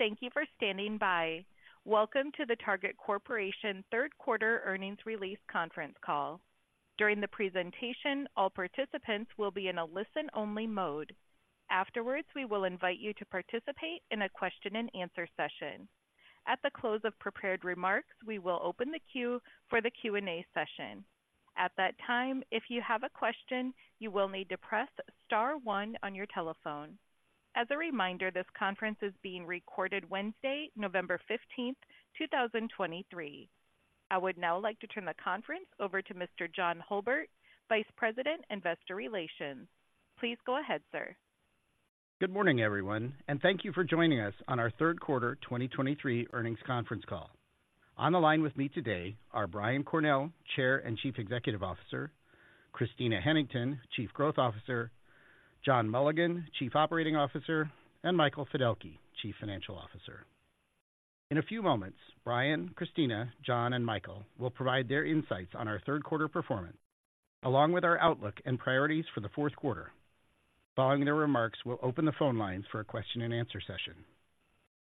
Thank you for standing by. Welcome to the Target Corporation Third Quarter Earnings Release Conference Call. During the presentation, all participants will be in a listen-only mode. Afterwards, we will invite you to participate in a question-and-answer session. At the close of prepared remarks, we will open the queue for the Q&A session. At that time, if you have a question, you will need to press star one on your telephone. As a reminder, this conference is being recorded Wednesday, November 15th, 2023. I would now like to turn the conference over to Mr. John Hulbert, Vice President, Investor Relations. Please go ahead, sir. Good morning, everyone, and thank you for joining us on our third quarter 2023 earnings conference call. On the line with me today are Brian Cornell, Chair and Chief Executive Officer, Christina Hennington, Chief Growth Officer, John Mulligan, Chief Operating Officer, and Michael Fiddelke, Chief Financial Officer. In a few moments, Brian, Christina, John, and Michael will provide their insights on our third quarter performance, along with our outlook and priorities for the fourth quarter. Following their remarks, we'll open the phone lines for a question-and-answer session.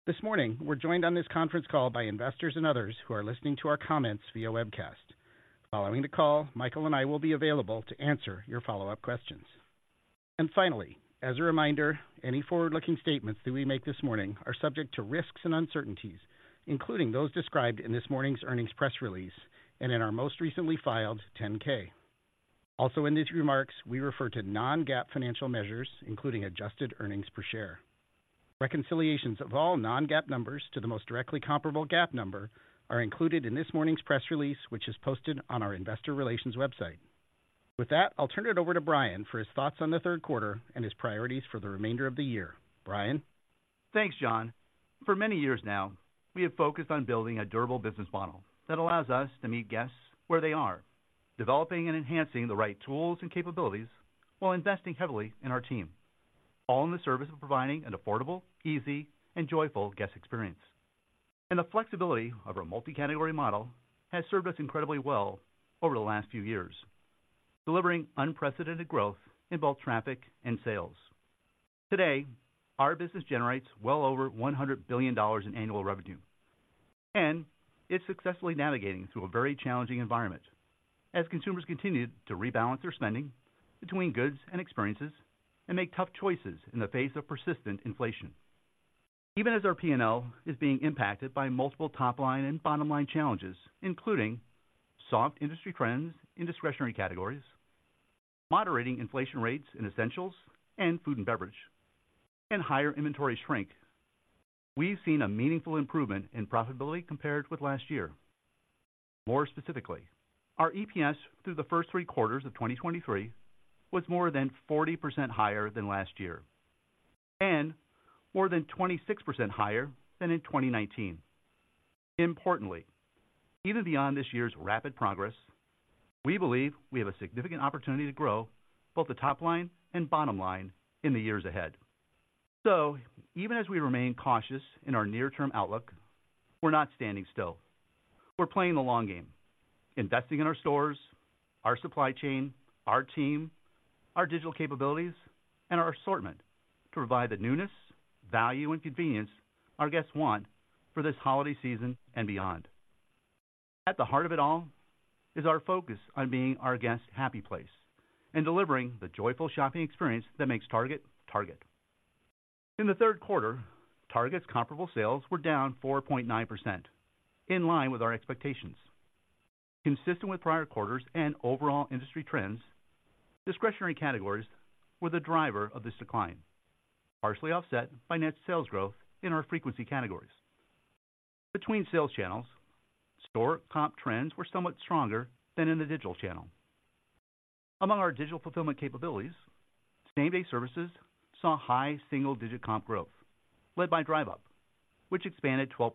This morning, we're joined on this conference call by investors and others who are listening to our comments via webcast. Following the call, Michael and I will be available to answer your follow-up questions. And finally, as a reminder, any forward-looking statements that we make this morning are subject to risks and uncertainties, including those described in this morning's earnings press release and in our most recently filed 10-K. Also, in these remarks, we refer to non-GAAP financial measures, including adjusted earnings per share. Reconciliations of all non-GAAP numbers to the most directly comparable GAAP number are included in this morning's press release, which is posted on our investor relations website. With that, I'll turn it over to Brian for his thoughts on the third quarter and his priorities for the remainder of the year. Brian? Thanks, John. For many years now, we have focused on building a durable business model that allows us to meet guests where they are, developing and enhancing the right tools and capabilities while investing heavily in our team, all in the service of providing an affordable, easy, and joyful guest experience. The flexibility of our multi-category model has served us incredibly well over the last few years, delivering unprecedented growth in both traffic and sales. Today, our business generates well over $100 billion in annual revenue, and it's successfully navigating through a very challenging environment as consumers continue to rebalance their spending between goods and experiences and make tough choices in the face of persistent inflation. Even as our P&L is being impacted by multiple top-line and bottom-line challenges, including soft industry trends in discretionary categories, moderating inflation rates in essentials and food and beverage, and higher inventory shrink. We've seen a meaningful improvement in profitability compared with last year. More specifically, our EPS through the first three quarters of 2023 was more than 40% higher than last year and more than 26% higher than in 2019. Importantly, even beyond this year's rapid progress, we believe we have a significant opportunity to grow both the top line and bottom line in the years ahead. So even as we remain cautious in our near-term outlook, we're not standing still. We're playing the long game, investing in our stores, our supply chain, our team, our digital capabilities, and our assortment to provide the newness, value, and convenience our guests want for this holiday season and beyond. At the heart of it all is our focus on being our guests' happy place and delivering the joyful shopping experience that makes Target, Target. In the third quarter, Target's comparable sales were down 4.9%, in line with our expectations. Consistent with prior quarters and overall industry trends, discretionary categories were the driver of this decline, partially offset by net sales growth in our frequency categories. Between sales channels, store comp trends were somewhat stronger than in the digital channel. Among our digital fulfillment capabilities, same-day services saw high single-digit comp growth, led by Drive Up, which expanded 12%.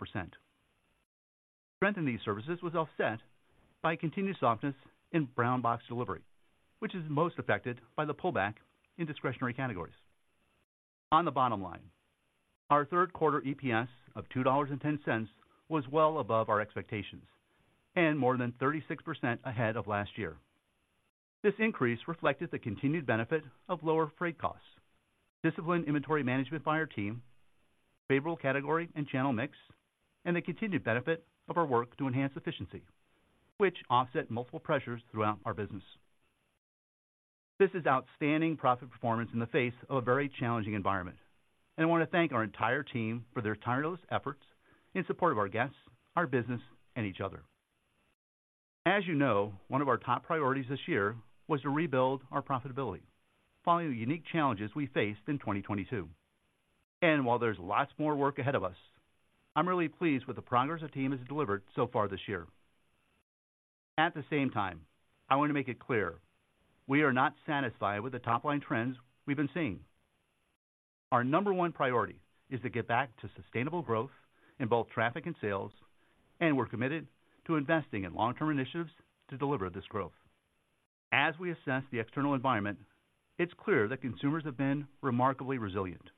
Strength in these services was offset by continued softness in brown box delivery, which is most affected by the pullback in discretionary categories. On the bottom line, our third quarter EPS of $2.10 was well above our expectations and more than 36% ahead of last year. This increase reflected the continued benefit of lower freight costs, disciplined inventory management by our team, favorable category and channel mix, and the continued benefit of our work to enhance efficiency, which offset multiple pressures throughout our business. This is outstanding profit performance in the face of a very challenging environment, and I want to thank our entire team for their tireless efforts in support of our guests, our business, and each other. As you know, one of our top priorities this year was to rebuild our profitability following the unique challenges we faced in 2022. And while there's lots more work ahead of us, I'm really pleased with the progress the team has delivered so far this year. At the same time, I want to make it clear, we are not satisfied with the top-line trends we've been seeing. Our number one priority is to get back to sustainable growth in both traffic and sales, and we're committed to investing in long-term initiatives to deliver this growth. As we assess the external environment, it's clear that consumers have been remarkably resilient.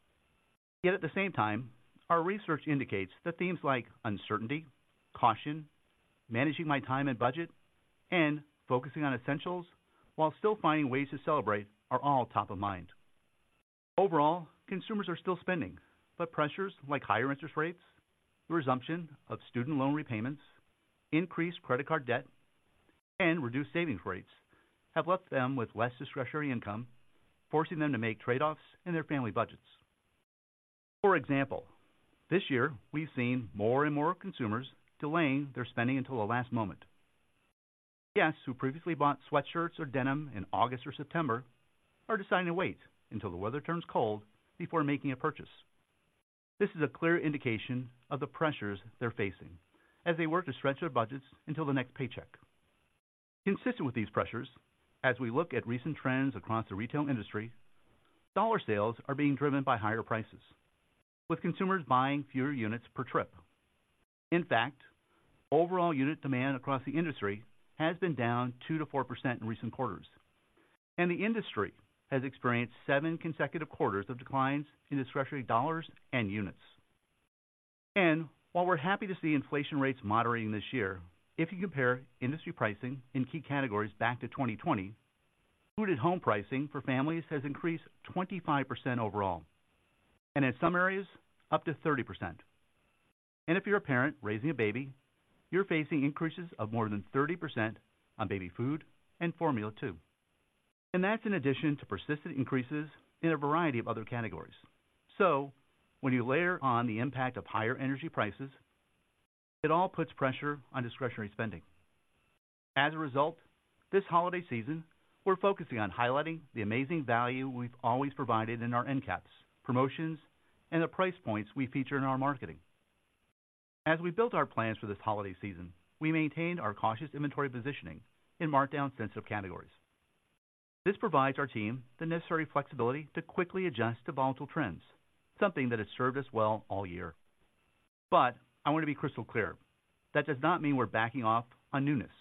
Yet at the same time, our research indicates that themes like uncertainty, caution, managing my time and budget, and focusing on essentials while still finding ways to celebrate are all top of mind. Overall, consumers are still spending, but pressures like higher interest rates, the resumption of student loan repayments, increased credit card debt, and reduced savings rates have left them with less discretionary income, forcing them to make trade-offs in their family budgets. For example, this year we've seen more and more consumers delaying their spending until the last moment. Guests who previously bought sweatshirts or denim in August or September are deciding to wait until the weather turns cold before making a purchase. This is a clear indication of the pressures they're facing as they work to stretch their budgets until the next paycheck. Consistent with these pressures, as we look at recent trends across the retail industry, dollar sales are being driven by higher prices, with consumers buying fewer units per trip. In fact, overall unit demand across the industry has been down 2%-4% in recent quarters, and the industry has experienced seven consecutive quarters of declines in discretionary dollars and units. And while we're happy to see inflation rates moderating this year, if you compare industry pricing in key categories back to 2020, food at home pricing for families has increased 25% overall, and in some areas up to 30%. And if you're a parent raising a baby, you're facing increases of more than 30% on baby food and formula too. And that's in addition to persistent increases in a variety of other categories. So when you layer on the impact of higher energy prices, it all puts pressure on discretionary spending. As a result, this holiday season, we're focusing on highlighting the amazing value we've always provided in our end caps, promotions, and the price points we feature in our marketing. As we built our plans for this holiday season, we maintained our cautious inventory positioning in markdown-sensitive categories. This provides our team the necessary flexibility to quickly adjust to volatile trends, something that has served us well all year. But I want to be crystal clear. That does not mean we're backing off on newness.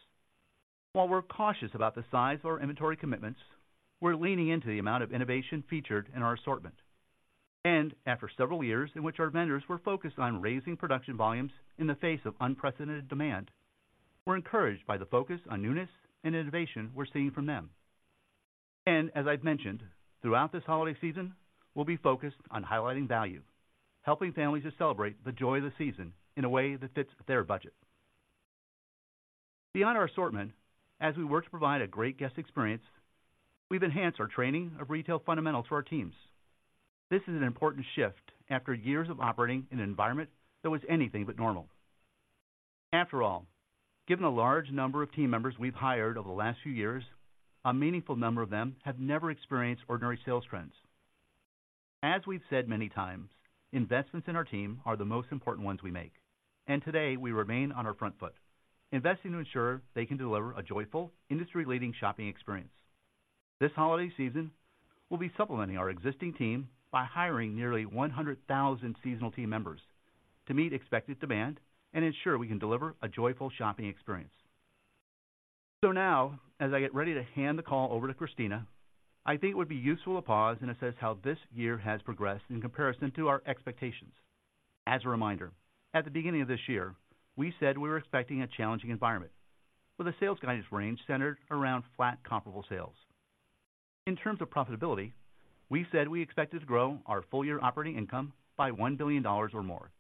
While we're cautious about the size or inventory commitments, we're leaning into the amount of innovation featured in our assortment. And after several years in which our vendors were focused on raising production volumes in the face of unprecedented demand, we're encouraged by the focus on newness and innovation we're seeing from them. As I've mentioned, throughout this holiday season, we'll be focused on highlighting value, helping families to celebrate the joy of the season in a way that fits their budget. Beyond our assortment, as we work to provide a great guest experience, we've enhanced our training of retail fundamentals for our teams. This is an important shift after years of operating in an environment that was anything but normal. After all, given the large number of team members we've hired over the last few years, a meaningful number of them have never experienced ordinary sales trends. As we've said many times, investments in our team are the most important ones we make, and today we remain on our front foot, investing to ensure they can deliver a joyful, industry-leading shopping experience. This holiday season, we'll be supplementing our existing team by hiring nearly 100,000 seasonal team members to meet expected demand and ensure we can deliver a joyful shopping experience. So now, as I get ready to hand the call over to Christina, I think it would be useful to pause and assess how this year has progressed in comparison to our expectations. As a reminder, at the beginning of this year, we said we were expecting a challenging environment with a sales guidance range centered around flat comparable sales. In terms of profitability, we said we expected to grow our full year operating income by $1 billion or more,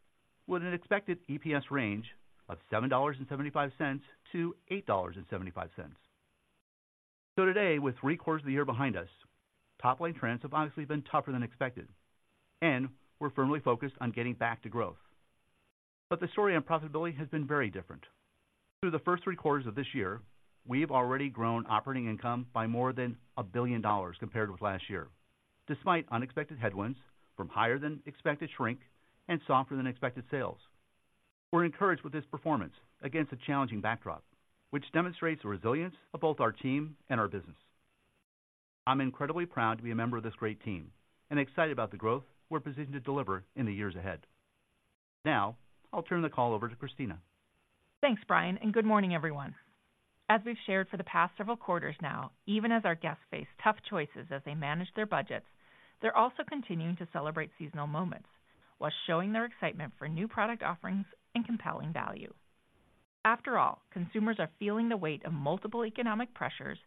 with an expected EPS range of $7.75-$8.75. Today, with three quarters of the year behind us, top-line trends have obviously been tougher than expected, and we're firmly focused on getting back to growth. But the story on profitability has been very different. Through the first three quarters of this year, we've already grown operating income by more than $1 billion compared with last year, despite unexpected headwinds from higher than expected shrink and softer than expected sales. We're encouraged with this performance against a challenging backdrop, which demonstrates the resilience of both our team and our business. I'm incredibly proud to be a member of this great team and excited about the growth we're positioned to deliver in the years ahead. Now, I'll turn the call over to Christina. Thanks, Brian, and good morning, everyone. As we've shared for the past several quarters now, even as our guests face tough choices as they manage their budgets, they're also continuing to celebrate seasonal moments while showing their excitement for new product offerings and compelling value. After all, consumers are feeling the weight of multiple economic pressures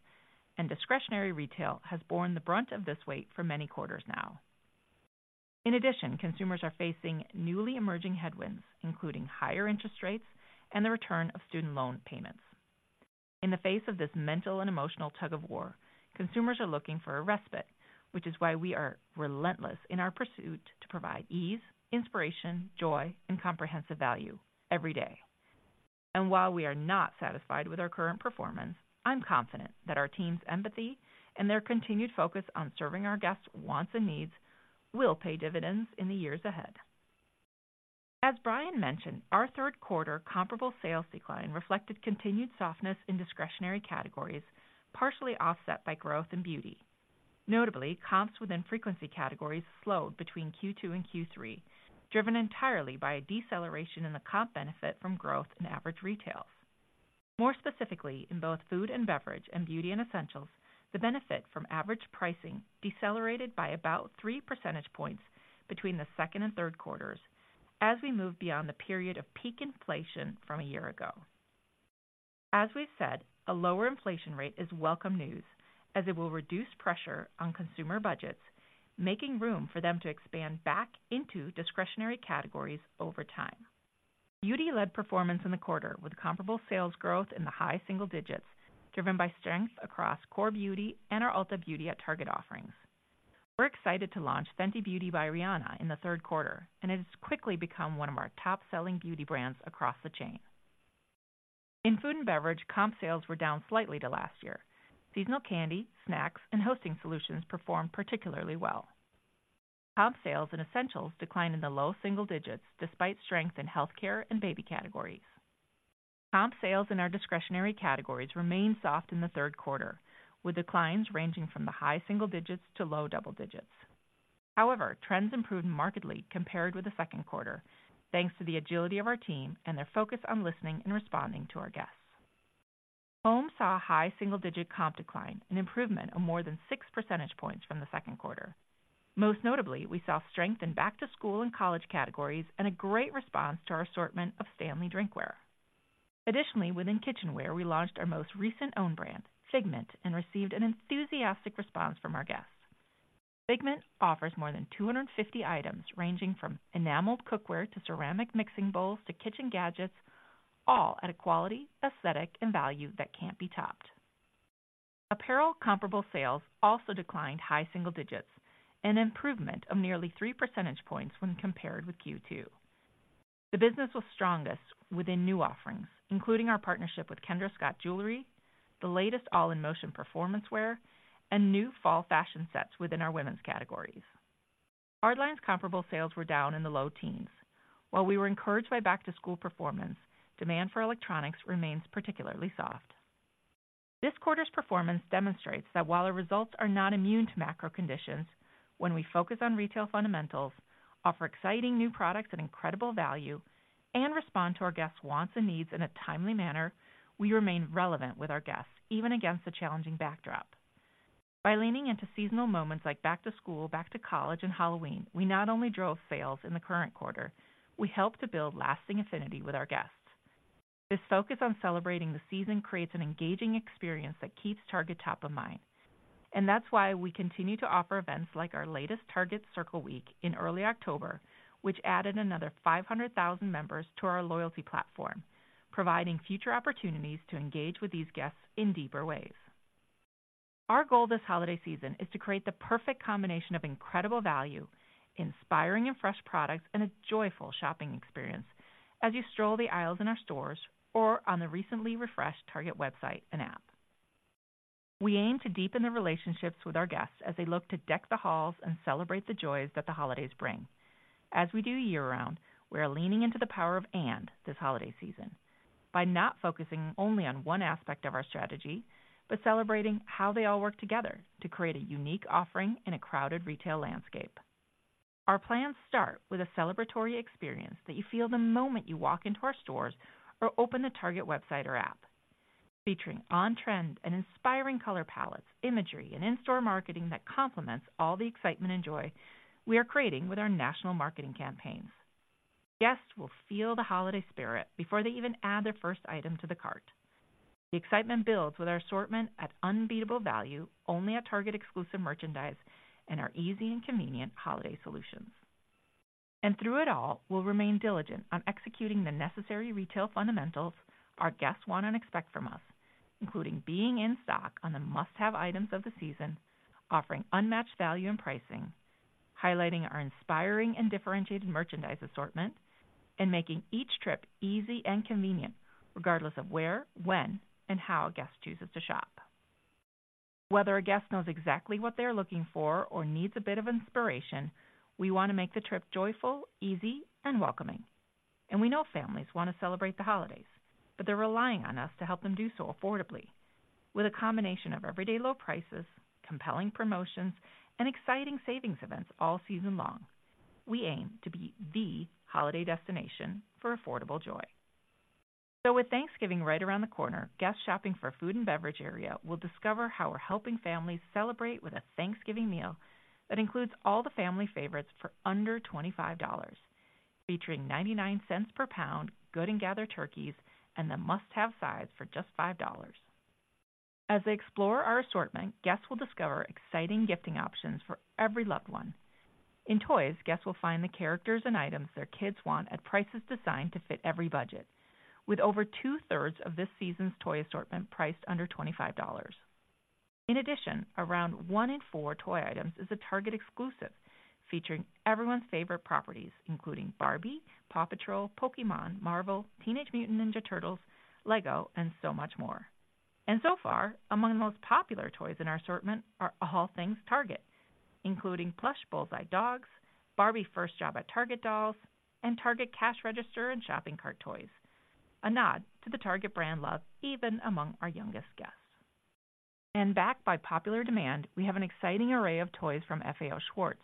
and discretionary retail has borne the brunt of this weight for many quarters now. In addition, consumers are facing newly emerging headwinds, including higher interest rates and the return of student loan payments. In the face of this mental and emotional tug-of-war, consumers are looking for a respite, which is why we are relentless in our pursuit to provide ease, inspiration, joy, and comprehensive value every day. While we are not satisfied with our current performance, I'm confident that our team's empathy and their continued focus on serving our guests' wants and needs will pay dividends in the years ahead. As Brian mentioned, our third quarter comparable sales decline reflected continued softness in discretionary categories, partially offset by growth in beauty. Notably, comps within frequency categories slowed between Q2 and Q3, driven entirely by a deceleration in the comp benefit from growth in average retail. More specifically, in both food and beverage and beauty and essentials, the benefit from average pricing decelerated by about three percentage points between the second and third quarters as we move beyond the period of peak inflation from a year ago. As we've said, a lower inflation rate is welcome news, as it will reduce pressure on consumer budgets, making room for them to expand back into discretionary categories over time. Beauty led performance in the quarter, with comparable sales growth in the high single digits, driven by strength across core beauty and our Ulta Beauty at Target offerings. We're excited to launch Fenty Beauty by Rihanna in the third quarter, and it has quickly become one of our top-selling beauty brands across the chain. In food and beverage, comp sales were down slightly to last year. Seasonal candy, snacks, and hosting solutions performed particularly well. Comp sales and essentials declined in the low single digits, despite strength in healthcare and baby categories. Comp sales in our discretionary categories remained soft in the third quarter, with declines ranging from the high single digits to low double digits. However, trends improved markedly compared with the second quarter, thanks to the agility of our team and their focus on listening and responding to our guests. Home saw a high single-digit comp decline, an improvement of more than six percentage points from the second quarter. Most notably, we saw strength in back-to-school and college categories and a great response to our assortment of Stanley drinkware. Additionally, within kitchenware, we launched our most recent own brand, Figmint, and received an enthusiastic response from our guests. Figmint offers more than 250 items, ranging from enameled cookware to ceramic mixing bowls to kitchen gadgets, all at a quality, aesthetic, and value that can't be topped. Apparel comparable sales also declined high single digits, an improvement of nearly three percentage points when compared with Q2. The business was strongest within new offerings, including our partnership with Kendra Scott Jewelry, the latest All in Motion performance wear, and new fall fashion sets within our women's categories. Hardlines comparable sales were down in the low teens. While we were encouraged by back-to-school performance, demand for electronics remains particularly soft. This quarter's performance demonstrates that while our results are not immune to macro conditions, when we focus on retail fundamentals, offer exciting new products and incredible value, and respond to our guests' wants and needs in a timely manner, we remain relevant with our guests, even against a challenging backdrop. By leaning into seasonal moments like back to school, back to college, and Halloween, we not only drove sales in the current quarter, we helped to build lasting affinity with our guests. This focus on celebrating the season creates an engaging experience that keeps Target top of mind, and that's why we continue to offer events like our latest Target Circle Week in early October, which added another 500,000 members to our loyalty platform, providing future opportunities to engage with these guests in deeper ways. Our goal this holiday season is to create the perfect combination of incredible value, inspiring and fresh products, and a joyful shopping experience as you stroll the aisles in our stores or on the recently refreshed Target website and app. We aim to deepen the relationships with our guests as they look to deck the halls and celebrate the joys that the holidays bring. As we do year-round, we are leaning into the power of and this holiday season by not focusing only on one aspect of our strategy, but celebrating how they all work together to create a unique offering in a crowded retail landscape. Our plans start with a celebratory experience that you feel the moment you walk into our stores or open the Target website or app. Featuring on-trend and inspiring color palettes, imagery, and in-store marketing that complements all the excitement and joy we are creating with our national marketing campaigns. Guests will feel the holiday spirit before they even add their first item to the cart. The excitement builds with our assortment at unbeatable value, only at Target exclusive merchandise, and our easy and convenient holiday solutions. Through it all, we'll remain diligent on executing the necessary retail fundamentals our guests want and expect from us, including being in stock on the must-have items of the season, offering unmatched value and pricing, highlighting our inspiring and differentiated merchandise assortment, and making each trip easy and convenient, regardless of where, when, and how a guest chooses to shop. Whether a guest knows exactly what they are looking for or needs a bit of inspiration, we want to make the trip joyful, easy, and welcoming, and we know families want to celebrate the holidays, but they're relying on us to help them do so affordably. With a combination of everyday low prices, compelling promotions, and exciting savings events all season long, we aim to be the holiday destination for affordable joy. With Thanksgiving right around the corner, guests shopping for food and beverage area will discover how we're helping families celebrate with a Thanksgiving meal that includes all the family favorites for under $25, featuring $0.99 per pound Good & Gather turkeys, and the must-have sides for just $5. As they explore our assortment, guests will discover exciting gifting options for every loved one. In toys, guests will find the characters and items their kids want at prices designed to fit every budget, with over 2/3 of this season's toy assortment priced under $25. In addition, around one in four toy items is a Target exclusive, featuring everyone's favorite properties, including Barbie, Paw Patrol, Pokémon, Marvel, Teenage Mutant Ninja Turtles, LEGO, and so much more. And so far, among the most popular toys in our assortment are all things Target, including plush Bullseye dogs, Barbie First Job at Target dolls, and Target cash register and shopping cart toys, a nod to the Target brand love even among our youngest guests. And back by popular demand, we have an exciting array of toys from FAO Schwarz,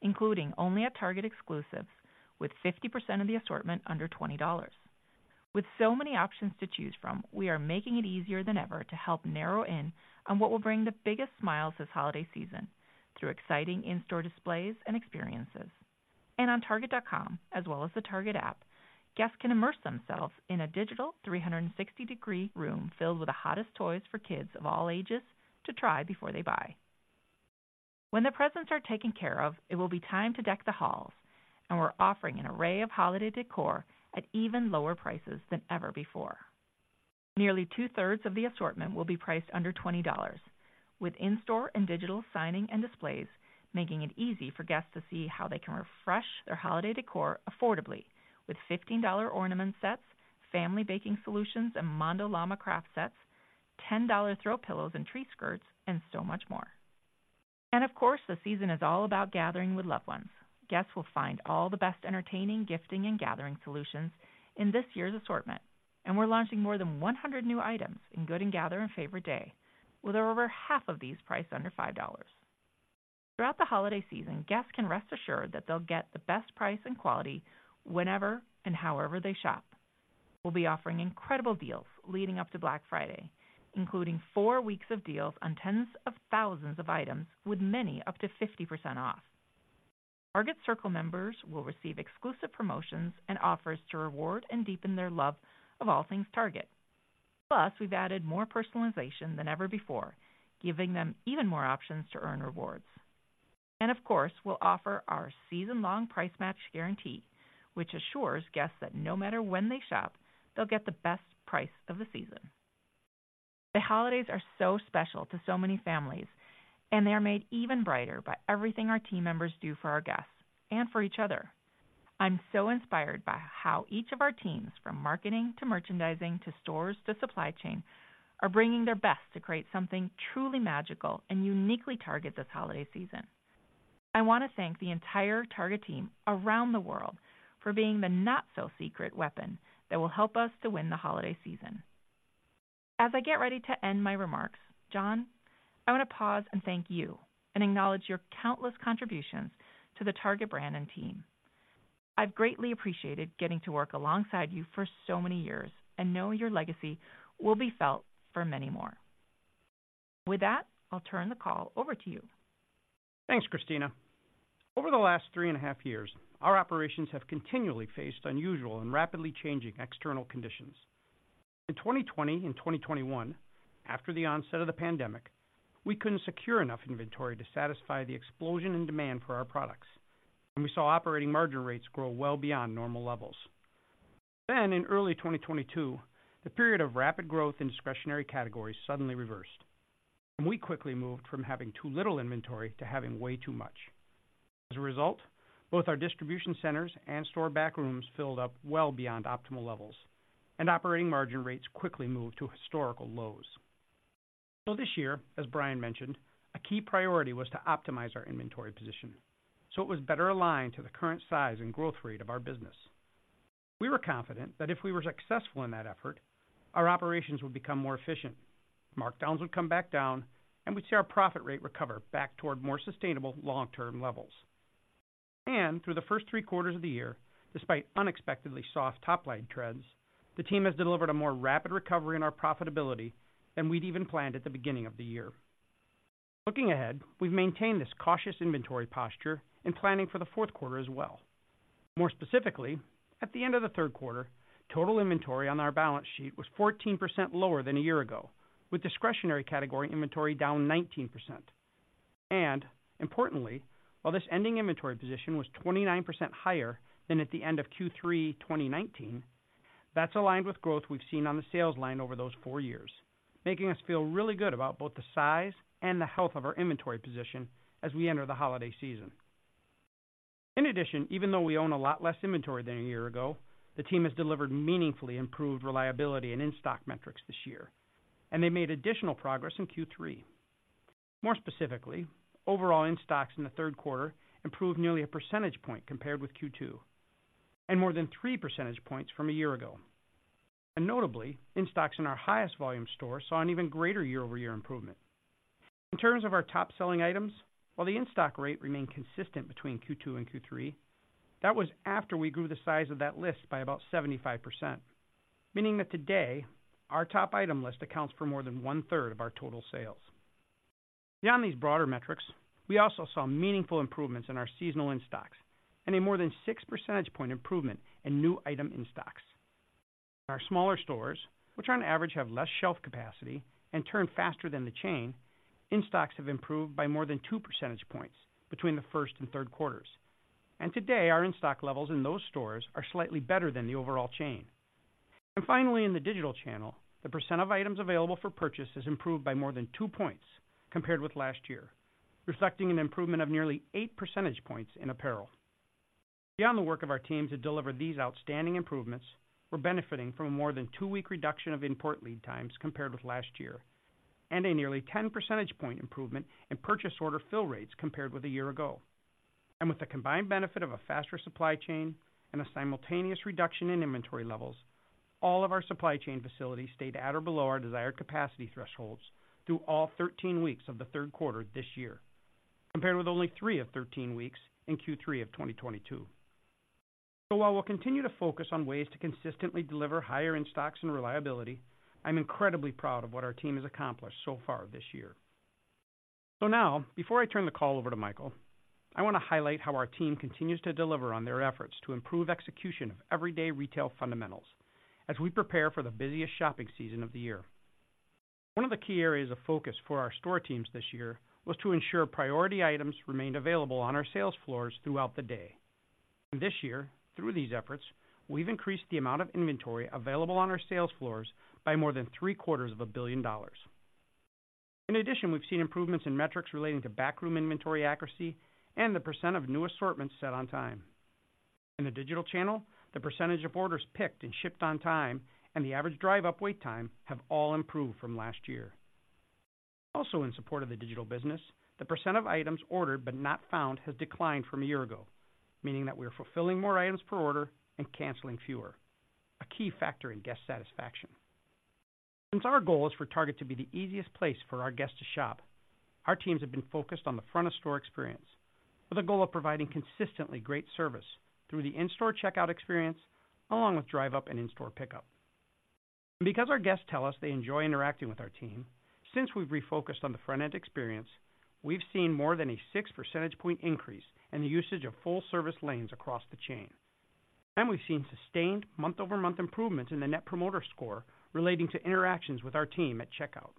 including only at Target exclusives, with 50% of the assortment under $20. With so many options to choose from, we are making it easier than ever to help narrow in on what will bring the biggest smiles this holiday season through exciting in-store displays and experiences. And on target.com, as well as the Target app, guests can immerse themselves in a digital 360-degree room filled with the hottest toys for kids of all ages to try before they buy. When the presents are taken care of, it will be time to deck the halls, and we're offering an array of holiday decor at even lower prices than ever before. Nearly 2/3 of the assortment will be priced under $20, with in-store and digital signing and displays, making it easy for guests to see how they can refresh their holiday decor affordably with $15 ornament sets, family baking solutions, and Mondo Llama craft sets, $10 throw pillows and tree skirts, and so much more. Of course, the season is all about gathering with loved ones. Guests will find all the best entertaining, gifting, and gathering solutions in this year's assortment, and we're launching more than 100 new items in Good & Gather and Favorite Day, with over half of these priced under $5. Throughout the holiday season, guests can rest assured that they'll get the best price and quality whenever and however they shop. We'll be offering incredible deals leading up to Black Friday, including four weeks of deals on tens of thousands of items, with many up to 50% off. Target Circle members will receive exclusive promotions and offers to reward and deepen their love of all things Target. Plus, we've added more personalization than ever before, giving them even more options to earn rewards. And of course, we'll offer our season-long price match guarantee, which assures guests that no matter when they shop, they'll get the best price of the season. The holidays are so special to so many families, and they are made even brighter by everything our team members do for our guests and for each other. I'm so inspired by how each of our teams, from marketing to merchandising to stores to supply chain, are bringing their best to create something truly magical and uniquely Target this holiday season. I want to thank the entire Target team around the world for being the not-so-secret weapon that will help us to win the holiday season. As I get ready to end my remarks, John, I want to pause and thank you and acknowledge your countless contributions to the Target brand and team. I've greatly appreciated getting to work alongside you for so many years and know your legacy will be felt for many more. With that, I'll turn the call over to you. Thanks, Christina. Over the last three and a half years, our operations have continually faced unusual and rapidly changing external conditions. In 2020 and 2021, after the onset of the pandemic, we couldn't secure enough inventory to satisfy the explosion in demand for our products, and we saw operating margin rates grow well beyond normal levels. Then, in early 2022, the period of rapid growth in discretionary categories suddenly reversed, and we quickly moved from having too little inventory to having way too much. As a result, both our distribution centers and store back rooms filled up well beyond optimal levels, and operating margin rates quickly moved to historical lows. So this year, as Brian mentioned, a key priority was to optimize our inventory position, so it was better aligned to the current size and growth rate of our business. We were confident that if we were successful in that effort, our operations would become more efficient, markdowns would come back down, and we'd see our profit rate recover back toward more sustainable long-term levels. Through the first three quarters of the year, despite unexpectedly soft top-line trends, the team has delivered a more rapid recovery in our profitability than we'd even planned at the beginning of the year. Looking ahead, we've maintained this cautious inventory posture in planning for the fourth quarter as well. More specifically, at the end of the third quarter, total inventory on our balance sheet was 14% lower than a year ago, with discretionary category inventory down 19%. Importantly, while this ending inventory position was 29% higher than at the end of Q3 2019, that's aligned with growth we've seen on the sales line over those four years, making us feel really good about both the size and the health of our inventory position as we enter the holiday season. In addition, even though we own a lot less inventory than a year ago, the team has delivered meaningfully improved reliability and in-stock metrics this year, and they made additional progress in Q3. More specifically, overall in-stocks in the third quarter improved nearly a percentage point compared with Q2, and more than three percentage points from a year ago. Notably, in-stocks in our highest volume store saw an even greater year-over-year improvement. In terms of our top-selling items, while the in-stock rate remained consistent between Q2 and Q3, that was after we grew the size of that list by about 75%, meaning that today, our top item list accounts for more than 1/3 of our total sales. Beyond these broader metrics, we also saw meaningful improvements in our seasonal in-stocks and a more than six percentage point improvement in new item in-stocks. In our smaller stores, which on average have less shelf capacity and turn faster than the chain, in-stocks have improved by more than two percentage points between the first and third quarters, and today, our in-stock levels in those stores are slightly better than the overall chain. Finally, in the digital channel, the percent of items available for purchase has improved by more than two points compared with last year, reflecting an improvement of nearly eight percentage points in apparel. Beyond the work of our team to deliver these outstanding improvements, we're benefiting from a more than two-week reduction of import lead times compared with last year, and a nearly 10 percentage point improvement in purchase order fill rates compared with a year ago. With the combined benefit of a faster supply chain and a simultaneous reduction in inventory levels, all of our supply chain facilities stayed at or below our desired capacity thresholds through all 13 weeks of the third quarter this year, compared with only three of 13 weeks in Q3 of 2022. So while we'll continue to focus on ways to consistently deliver higher in stocks and reliability, I'm incredibly proud of what our team has accomplished so far this year. So now, before I turn the call over to Michael, I want to highlight how our team continues to deliver on their efforts to improve execution of everyday retail fundamentals as we prepare for the busiest shopping season of the year. One of the key areas of focus for our store teams this year was to ensure priority items remained available on our sales floors throughout the day. This year, through these efforts, we've increased the amount of inventory available on our sales floors by more than $750 million. In addition, we've seen improvements in metrics relating to backroom inventory accuracy and the percent of new assortments set on time. In the digital channel, the percentage of orders picked and shipped on time and the average Drive Up wait time have all improved from last year. Also, in support of the digital business, the percent of items ordered but not found has declined from a year ago, meaning that we are fulfilling more items per order and canceling fewer, a key factor in guest satisfaction. Since our goal is for Target to be the easiest place for our guests to shop, our teams have been focused on the front of store experience with a goal of providing consistently great service through the in-store checkout experience, along with Drive Up and in-store pickup. Because our guests tell us they enjoy interacting with our team, since we've refocused on the front-end experience, we've seen more than a six percentage point increase in the usage of full service lanes across the chain, and we've seen sustained month-over-month improvements in the Net Promoter Score relating to interactions with our team at checkout.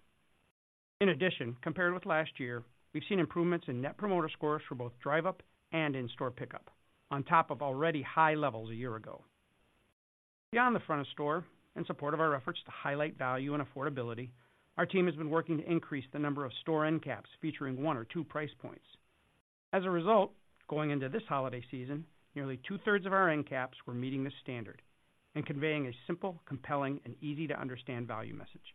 In addition, compared with last year, we've seen improvements in Net Promoter Scores for both Drive Up and in-store pickup, on top of already high levels a year ago. Beyond the front of store, in support of our efforts to highlight value and affordability, our team has been working to increase the number of store end caps featuring one or two price points. As a result, going into this holiday season, nearly 2/3 of our end caps were meeting this standard and conveying a simple, compelling, and easy to understand value message.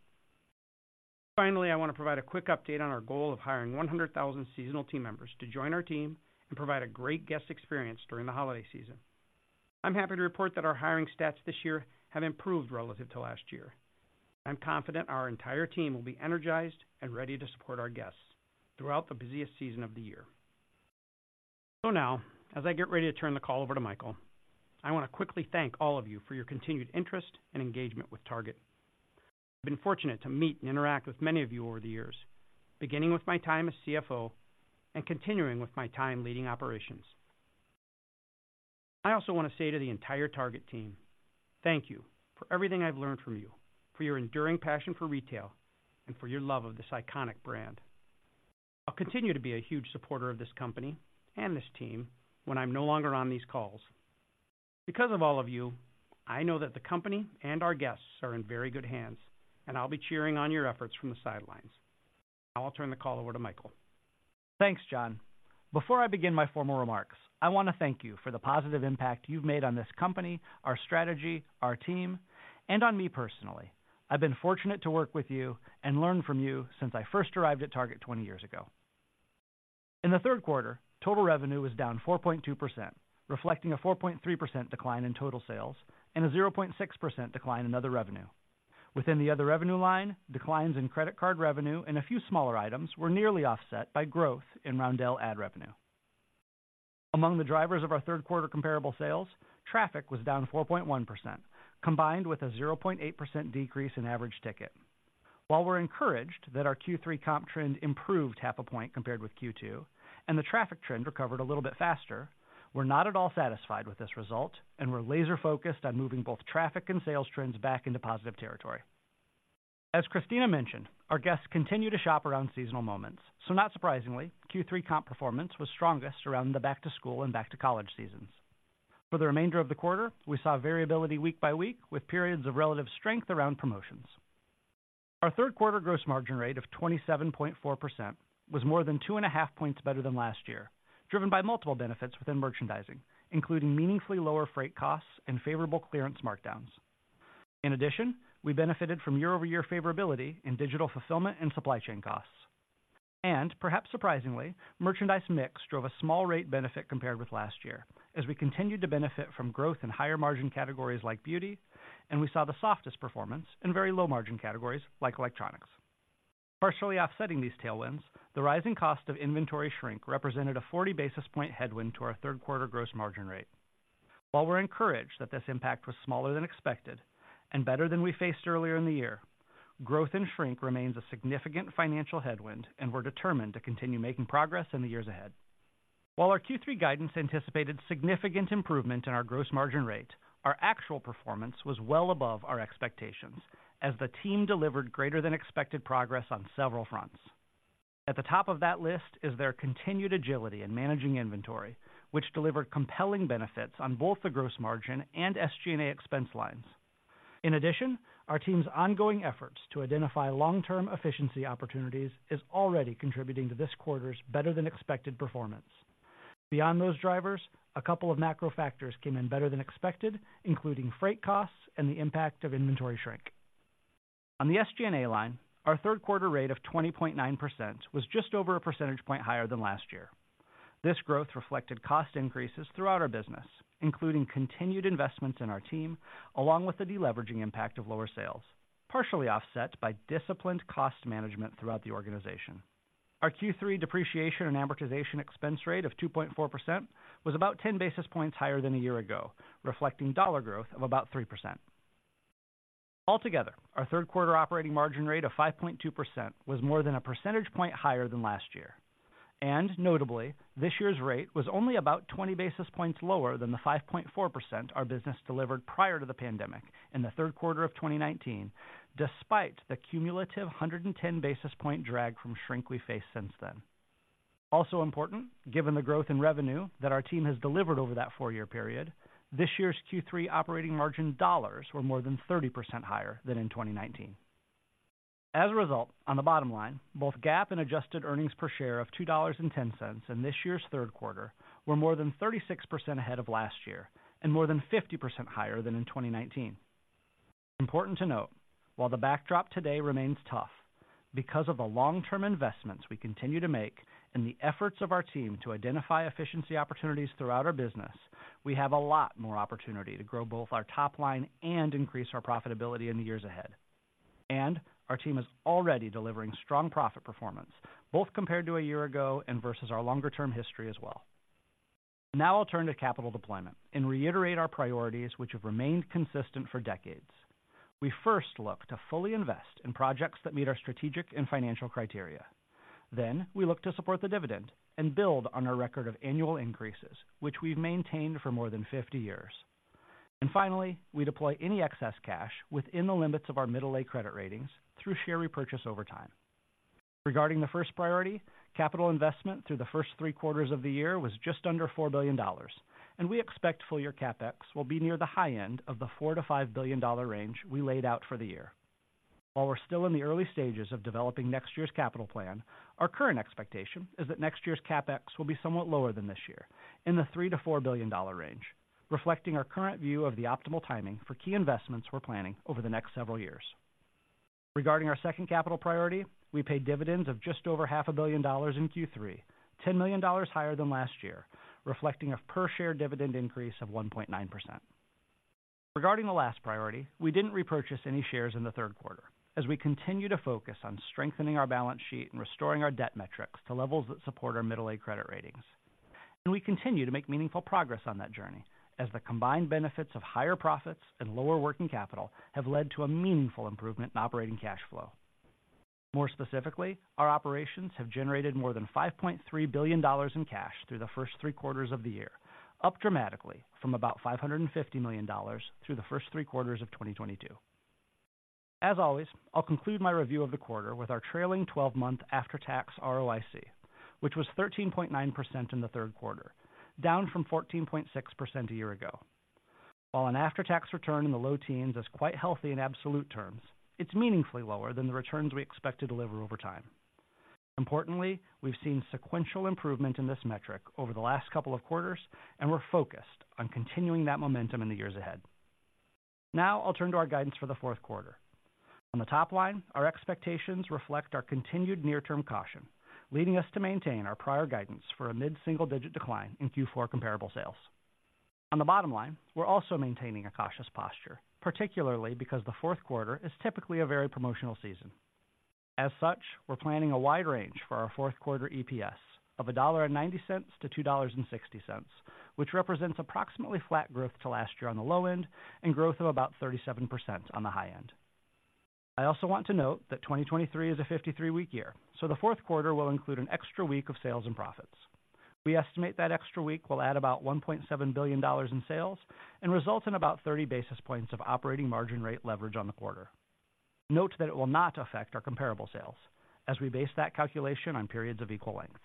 Finally, I want to provide a quick update on our goal of hiring 100,000 seasonal team members to join our team and provide a great guest experience during the holiday season. I'm happy to report that our hiring stats this year have improved relative to last year. I'm confident our entire team will be energized and ready to support our guests throughout the busiest season of the year. So now, as I get ready to turn the call over to Michael, I want to quickly thank all of you for your continued interest and engagement with Target. I've been fortunate to meet and interact with many of you over the years, beginning with my time as CFO and continuing with my time leading operations. I also want to say to the entire Target team, thank you for everything I've learned from you, for your enduring passion for retail, and for your love of this iconic brand. I'll continue to be a huge supporter of this company and this team when I'm no longer on these calls. Because of all of you, I know that the company and our guests are in very good hands, and I'll be cheering on your efforts from the sidelines. Now I'll turn the call over to Michael. Thanks, John. Before I begin my formal remarks, I want to thank you for the positive impact you've made on this company, our strategy, our team, and on me personally. I've been fortunate to work with you and learn from you since I first arrived at Target 20 years ago. In the third quarter, total revenue was down 4.2%, reflecting a 4.3% decline in total sales and a 0.6% decline in other revenue. Within the other revenue line, declines in credit card revenue and a few smaller items were nearly offset by growth in Roundel ad revenue. Among the drivers of our third quarter, comparable sales, traffic was down 4.1%, combined with a 0.8% decrease in average ticket. While we're encouraged that our Q3 comp trend improved 0.5 point compared with Q2, and the traffic trend recovered a little bit faster, we're not at all satisfied with this result, and we're laser focused on moving both traffic and sales trends back into positive territory. As Christina mentioned, our guests continue to shop around seasonal moments, so not surprisingly, Q3 comp performance was strongest around the back to school and back to college seasons. For the remainder of the quarter, we saw variability week by week, with periods of relative strength around promotions. Our third quarter gross margin rate of 27.4% was more than 2.5 points better than last year, driven by multiple benefits within merchandising, including meaningfully lower freight costs and favorable clearance markdowns. In addition, we benefited from year-over-year favorability in digital fulfillment and supply chain costs. Perhaps surprisingly, merchandise mix drove a small rate benefit compared with last year as we continued to benefit from growth in higher margin categories like beauty, and we saw the softest performance in very low margin categories like electronics. Partially offsetting these tailwinds, the rising cost of inventory shrink represented a 40 basis point headwind to our third quarter gross margin rate. While we're encouraged that this impact was smaller than expected and better than we faced earlier in the year, growth in shrink remains a significant financial headwind, and we're determined to continue making progress in the years ahead. While our Q3 guidance anticipated significant improvement in our gross margin rate, our actual performance was well above our expectations as the team delivered greater than expected progress on several fronts. At the top of that list is their continued agility in managing inventory, which delivered compelling benefits on both the gross margin and SG&A expense lines. In addition, our team's ongoing efforts to identify long-term efficiency opportunities is already contributing to this quarter's better than expected performance. Beyond those drivers, a couple of macro factors came in better than expected, including freight costs and the impact of inventory shrink. On the SG&A line, our third quarter rate of 20.9% was just over a percentage point higher than last year. This growth reflected cost increases throughout our business, including continued investments in our team, along with the deleveraging impact of lower sales, partially offset by disciplined cost management throughout the organization. Our Q3 depreciation and amortization expense rate of 2.4% was about 10 basis points higher than a year ago, reflecting dollar growth of about 3%. Altogether, our third quarter operating margin rate of 5.2% was more than a percentage point higher than last year, and notably, this year's rate was only about 20 basis points lower than the 5.4% our business delivered prior to the pandemic in the third quarter of 2019, despite the cumulative 110 basis point drag from shrink we faced since then. Also important, given the growth in revenue that our team has delivered over that four-year period, this year's Q3 operating margin dollars were more than 30% higher than in 2019. As a result, on the bottom line, both GAAP and adjusted earnings per share of $2.10 in this year's third quarter were more than 36% ahead of last year and more than 50% higher than in 2019. Important to note, while the backdrop today remains tough, because of the long-term investments we continue to make and the efforts of our team to identify efficiency opportunities throughout our business, we have a lot more opportunity to grow both our top line and increase our profitability in the years ahead. And our team is already delivering strong profit performance, both compared to a year ago and versus our longer-term history as well. Now I'll turn to capital deployment and reiterate our priorities, which have remained consistent for decades. We first look to fully invest in projects that meet our strategic and financial criteria. Then, we look to support the dividend and build on our record of annual increases, which we've maintained for more than 50 years. And finally, we deploy any excess cash within the limits of our middle A credit ratings through share repurchase over time. Regarding the first priority, capital investment through the first three quarters of the year was just under $4 billion, and we expect full year CapEx will be near the high end of the $4-$5 billion range we laid out for the year. While we're still in the early stages of developing next year's capital plan, our current expectation is that next year's CapEx will be somewhat lower than this year, in the $3-$4 billion range, reflecting our current view of the optimal timing for key investments we're planning over the next several years. Regarding our second capital priority, we paid dividends of just over $500 million in Q3, $10 million higher than last year, reflecting a per share dividend increase of 1.9%. Regarding the last priority, we didn't repurchase any shares in the third quarter as we continue to focus on strengthening our balance sheet and restoring our debt metrics to levels that support our middle A credit ratings. We continue to make meaningful progress on that journey as the combined benefits of higher profits and lower working capital have led to a meaningful improvement in operating cash flow. More specifically, our operations have generated more than $5.3 billion in cash through the first three quarters of the year, up dramatically from about $550 million through the first three quarters of 2022. As always, I'll conclude my review of the quarter with our trailing 12-month after-tax ROIC, which was 13.9% in the third quarter, down from 14.6% a year ago. While an after-tax return in the low teens is quite healthy in absolute terms, it's meaningfully lower than the returns we expect to deliver over time. Importantly, we've seen sequential improvement in this metric over the last couple of quarters, and we're focused on continuing that momentum in the years ahead. Now I'll turn to our guidance for the fourth quarter. On the top line, our expectations reflect our continued near-term caution, leading us to maintain our prior guidance for a mid-single-digit decline in Q4 comparable sales. On the bottom line, we're also maintaining a cautious posture, particularly because the fourth quarter is typically a very promotional season. As such, we're planning a wide range for our fourth quarter EPS of $1.90-$2.60, which represents approximately flat growth to last year on the low end and growth of about 37% on the high end. I also want to note that 2023 is a 53-week year, so the fourth quarter will include an extra week of sales and profits. We estimate that extra week will add about $1.7 billion in sales and result in about 30 basis points of operating margin rate leverage on the quarter. Note that it will not affect our comparable sales as we base that calculation on periods of equal length.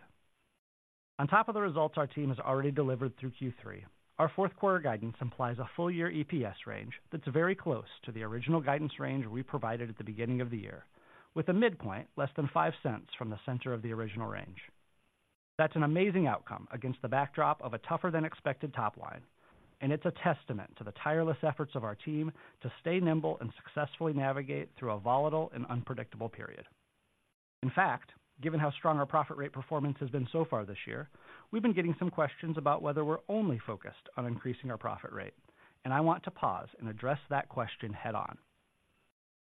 On top of the results our team has already delivered through Q3, our fourth quarter guidance implies a full-year EPS range that's very close to the original guidance range we provided at the beginning of the year, with a midpoint less than $0.05 from the center of the original range. That's an amazing outcome against the backdrop of a tougher than expected top line, and it's a testament to the tireless efforts of our team to stay nimble and successfully navigate through a volatile and unpredictable period. In fact, given how strong our profit rate performance has been so far this year, we've been getting some questions about whether we're only focused on increasing our profit rate, and I want to pause and address that question head on.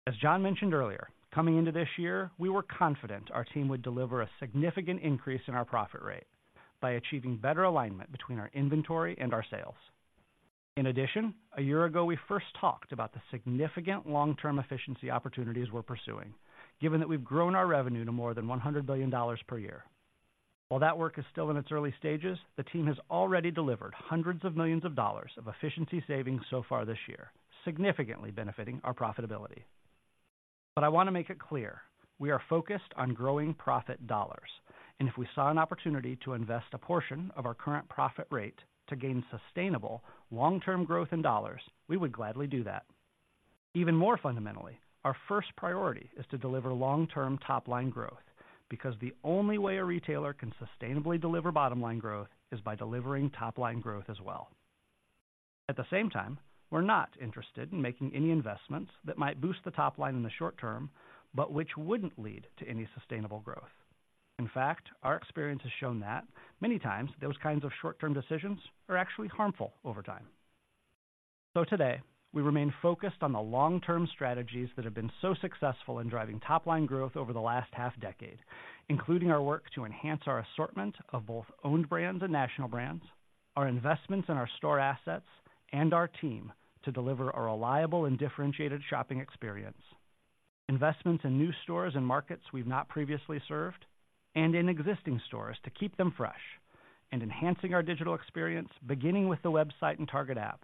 As John mentioned earlier, coming into this year, we were confident our team would deliver a significant increase in our profit rate by achieving better alignment between our inventory and our sales. In addition, a year ago, we first talked about the significant long-term efficiency opportunities we're pursuing, given that we've grown our revenue to more than $100 billion per year. While that work is still in its early stages, the team has already delivered hundreds of millions of dollars of efficiency savings so far this year, significantly benefiting our profitability. But I want to make it clear, we are focused on growing profit dollars, and if we saw an opportunity to invest a portion of our current profit rate to gain sustainable long-term growth in dollars, we would gladly do that. Even more fundamentally, our first priority is to deliver long-term top line growth, because the only way a retailer can sustainably deliver bottom line growth is by delivering top line growth as well. At the same time, we're not interested in making any investments that might boost the top line in the short term, but which wouldn't lead to any sustainable growth. In fact, our experience has shown that many times those kinds of short-term decisions are actually harmful over time. Today, we remain focused on the long-term strategies that have been so successful in driving top-line growth over the last half decade, including our work to enhance our assortment of both owned brands and national brands, our investments in our store assets and our team to deliver a reliable and differentiated shopping experience, investments in new stores and markets we've not previously served, and in existing stores to keep them fresh and enhancing our digital experience, beginning with the website and Target app,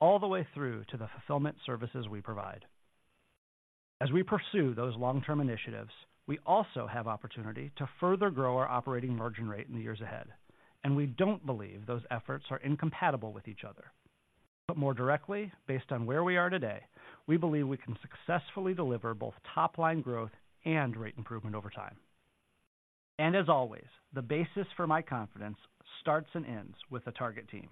all the way through to the fulfillment services we provide. As we pursue those long-term initiatives, we also have opportunity to further grow our operating margin rate in the years ahead, and we don't believe those efforts are incompatible with each other. More directly, based on where we are today, we believe we can successfully deliver both top line growth and rate improvement over time. As always, the basis for my confidence starts and ends with the Target team.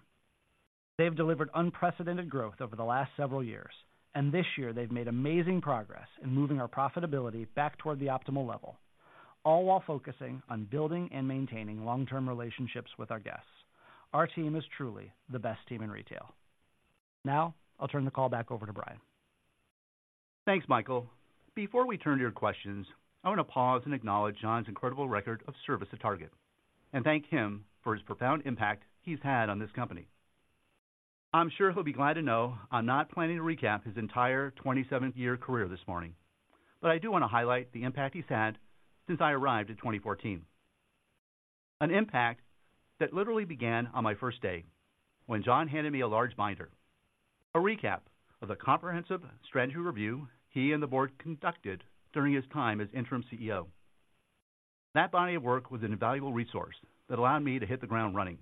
They've delivered unprecedented growth over the last several years, and this year they've made amazing progress in moving our profitability back toward the optimal level, all while focusing on building and maintaining long-term relationships with our guests. Our team is truly the best team in retail. Now I'll turn the call back over to Brian. Thanks, Michael. Before we turn to your questions, I want to pause and acknowledge John's incredible record of service at Target and thank him for his profound impact he's had on this company. I'm sure he'll be glad to know I'm not planning to recap his entire 27-year career this morning, but I do want to highlight the impact he's had since I arrived in 2014. An impact that literally began on my first day, when John handed me a large binder, a recap of the comprehensive strategy review he and the Board conducted during his time as interim CEO. That body of work was an invaluable resource that allowed me to hit the ground running.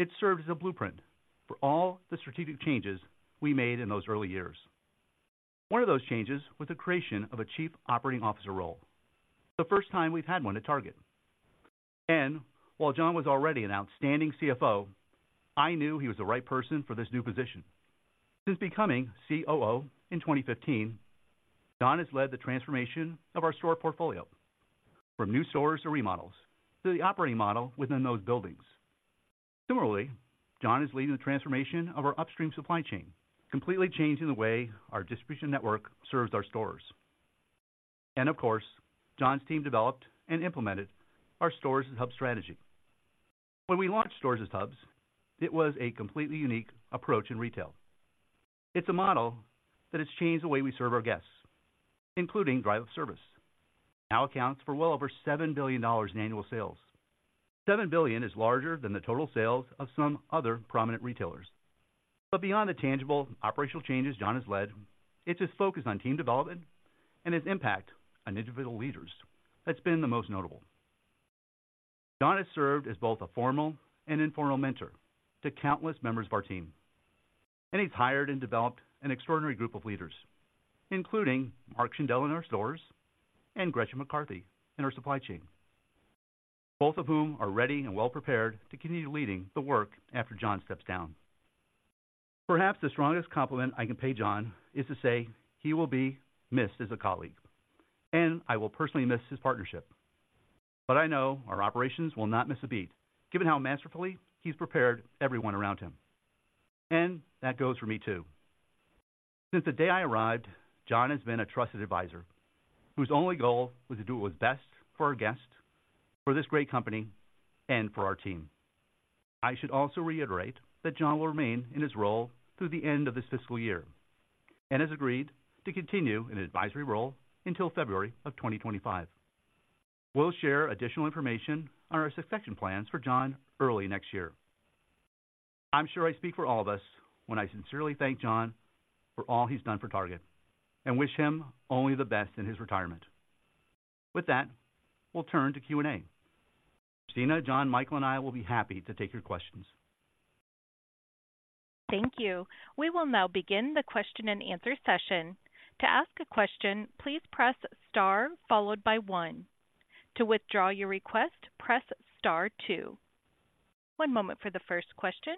It served as a blueprint for all the strategic changes we made in those early years. One of those changes was the creation of a Chief Operating Officer role, the first time we've had one at Target. While John was already an outstanding CFO, I knew he was the right person for this new position. Since becoming COO in 2015, John has led the transformation of our store portfolio, from new stores to remodels to the operating model within those buildings. Similarly, John is leading the transformation of our upstream supply chain, completely changing the way our distribution network serves our stores. Of course, John's team developed and implemented our stores-as-hubs strategy. When we launched stores-as-hubs, it was a completely unique approach in retail. It's a model that has changed the way we serve our guests, including Drive Up service. Now accounts for well over $7 billion in annual sales. $7 billion is larger than the total sales of some other prominent retailers. But beyond the tangible operational changes John has led, it's his focus on team development and his impact on individual leaders that's been the most notable. John has served as both a formal and informal mentor to countless members of our team, and he's hired and developed an extraordinary group of leaders, including Mark Schindele in our stores and Gretchen McCarthy in our supply chain, both of whom are ready and well prepared to continue leading the work after John steps down. Perhaps the strongest compliment I can pay John is to say he will be missed as a colleague, and I will personally miss his partnership. But I know our operations will not miss a beat, given how masterfully he's prepared everyone around him, and that goes for me, too. Since the day I arrived, John has been a trusted advisor whose only goal was to do what was best for our guests, for this great company, and for our team. I should also reiterate that John will remain in his role through the end of this fiscal year and has agreed to continue in an advisory role until February of 2025. We'll share additional information on our succession plans for John early next year. I'm sure I speak for all of us when I sincerely thank John for all he's done for Target and wish him only the best in his retirement. With that, we'll turn to Q&A. Christina, John, Michael, and I will be happy to take your questions. Thank you. We will now begin the question and answer session. To ask a question, please press star followed by one. To withdraw your request, press star two. One moment for the first question.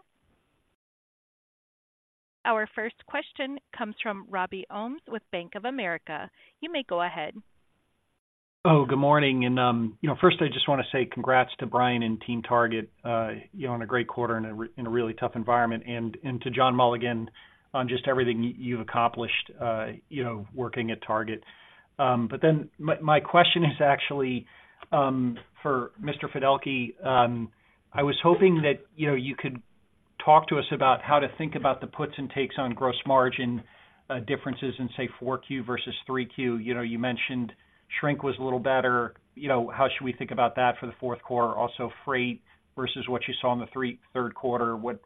Our first question comes from Robbie Ohmes with Bank of America. You may go ahead. Oh, good morning. You know, first I just want to say congrats to Brian and team Target on a great quarter in a really tough environment, and to John Mulligan on just everything you've accomplished, you know, working at Target. But then my question is actually for Mr. Fiddelke. I was hoping that, you know, you could talk to us about how to think about the puts and takes on gross margin differences in, say, 4Q versus 3Q. You know, you mentioned shrink was a little better. You know, how should we think about that for the fourth quarter? Also, freight versus what you saw in the third quarter, what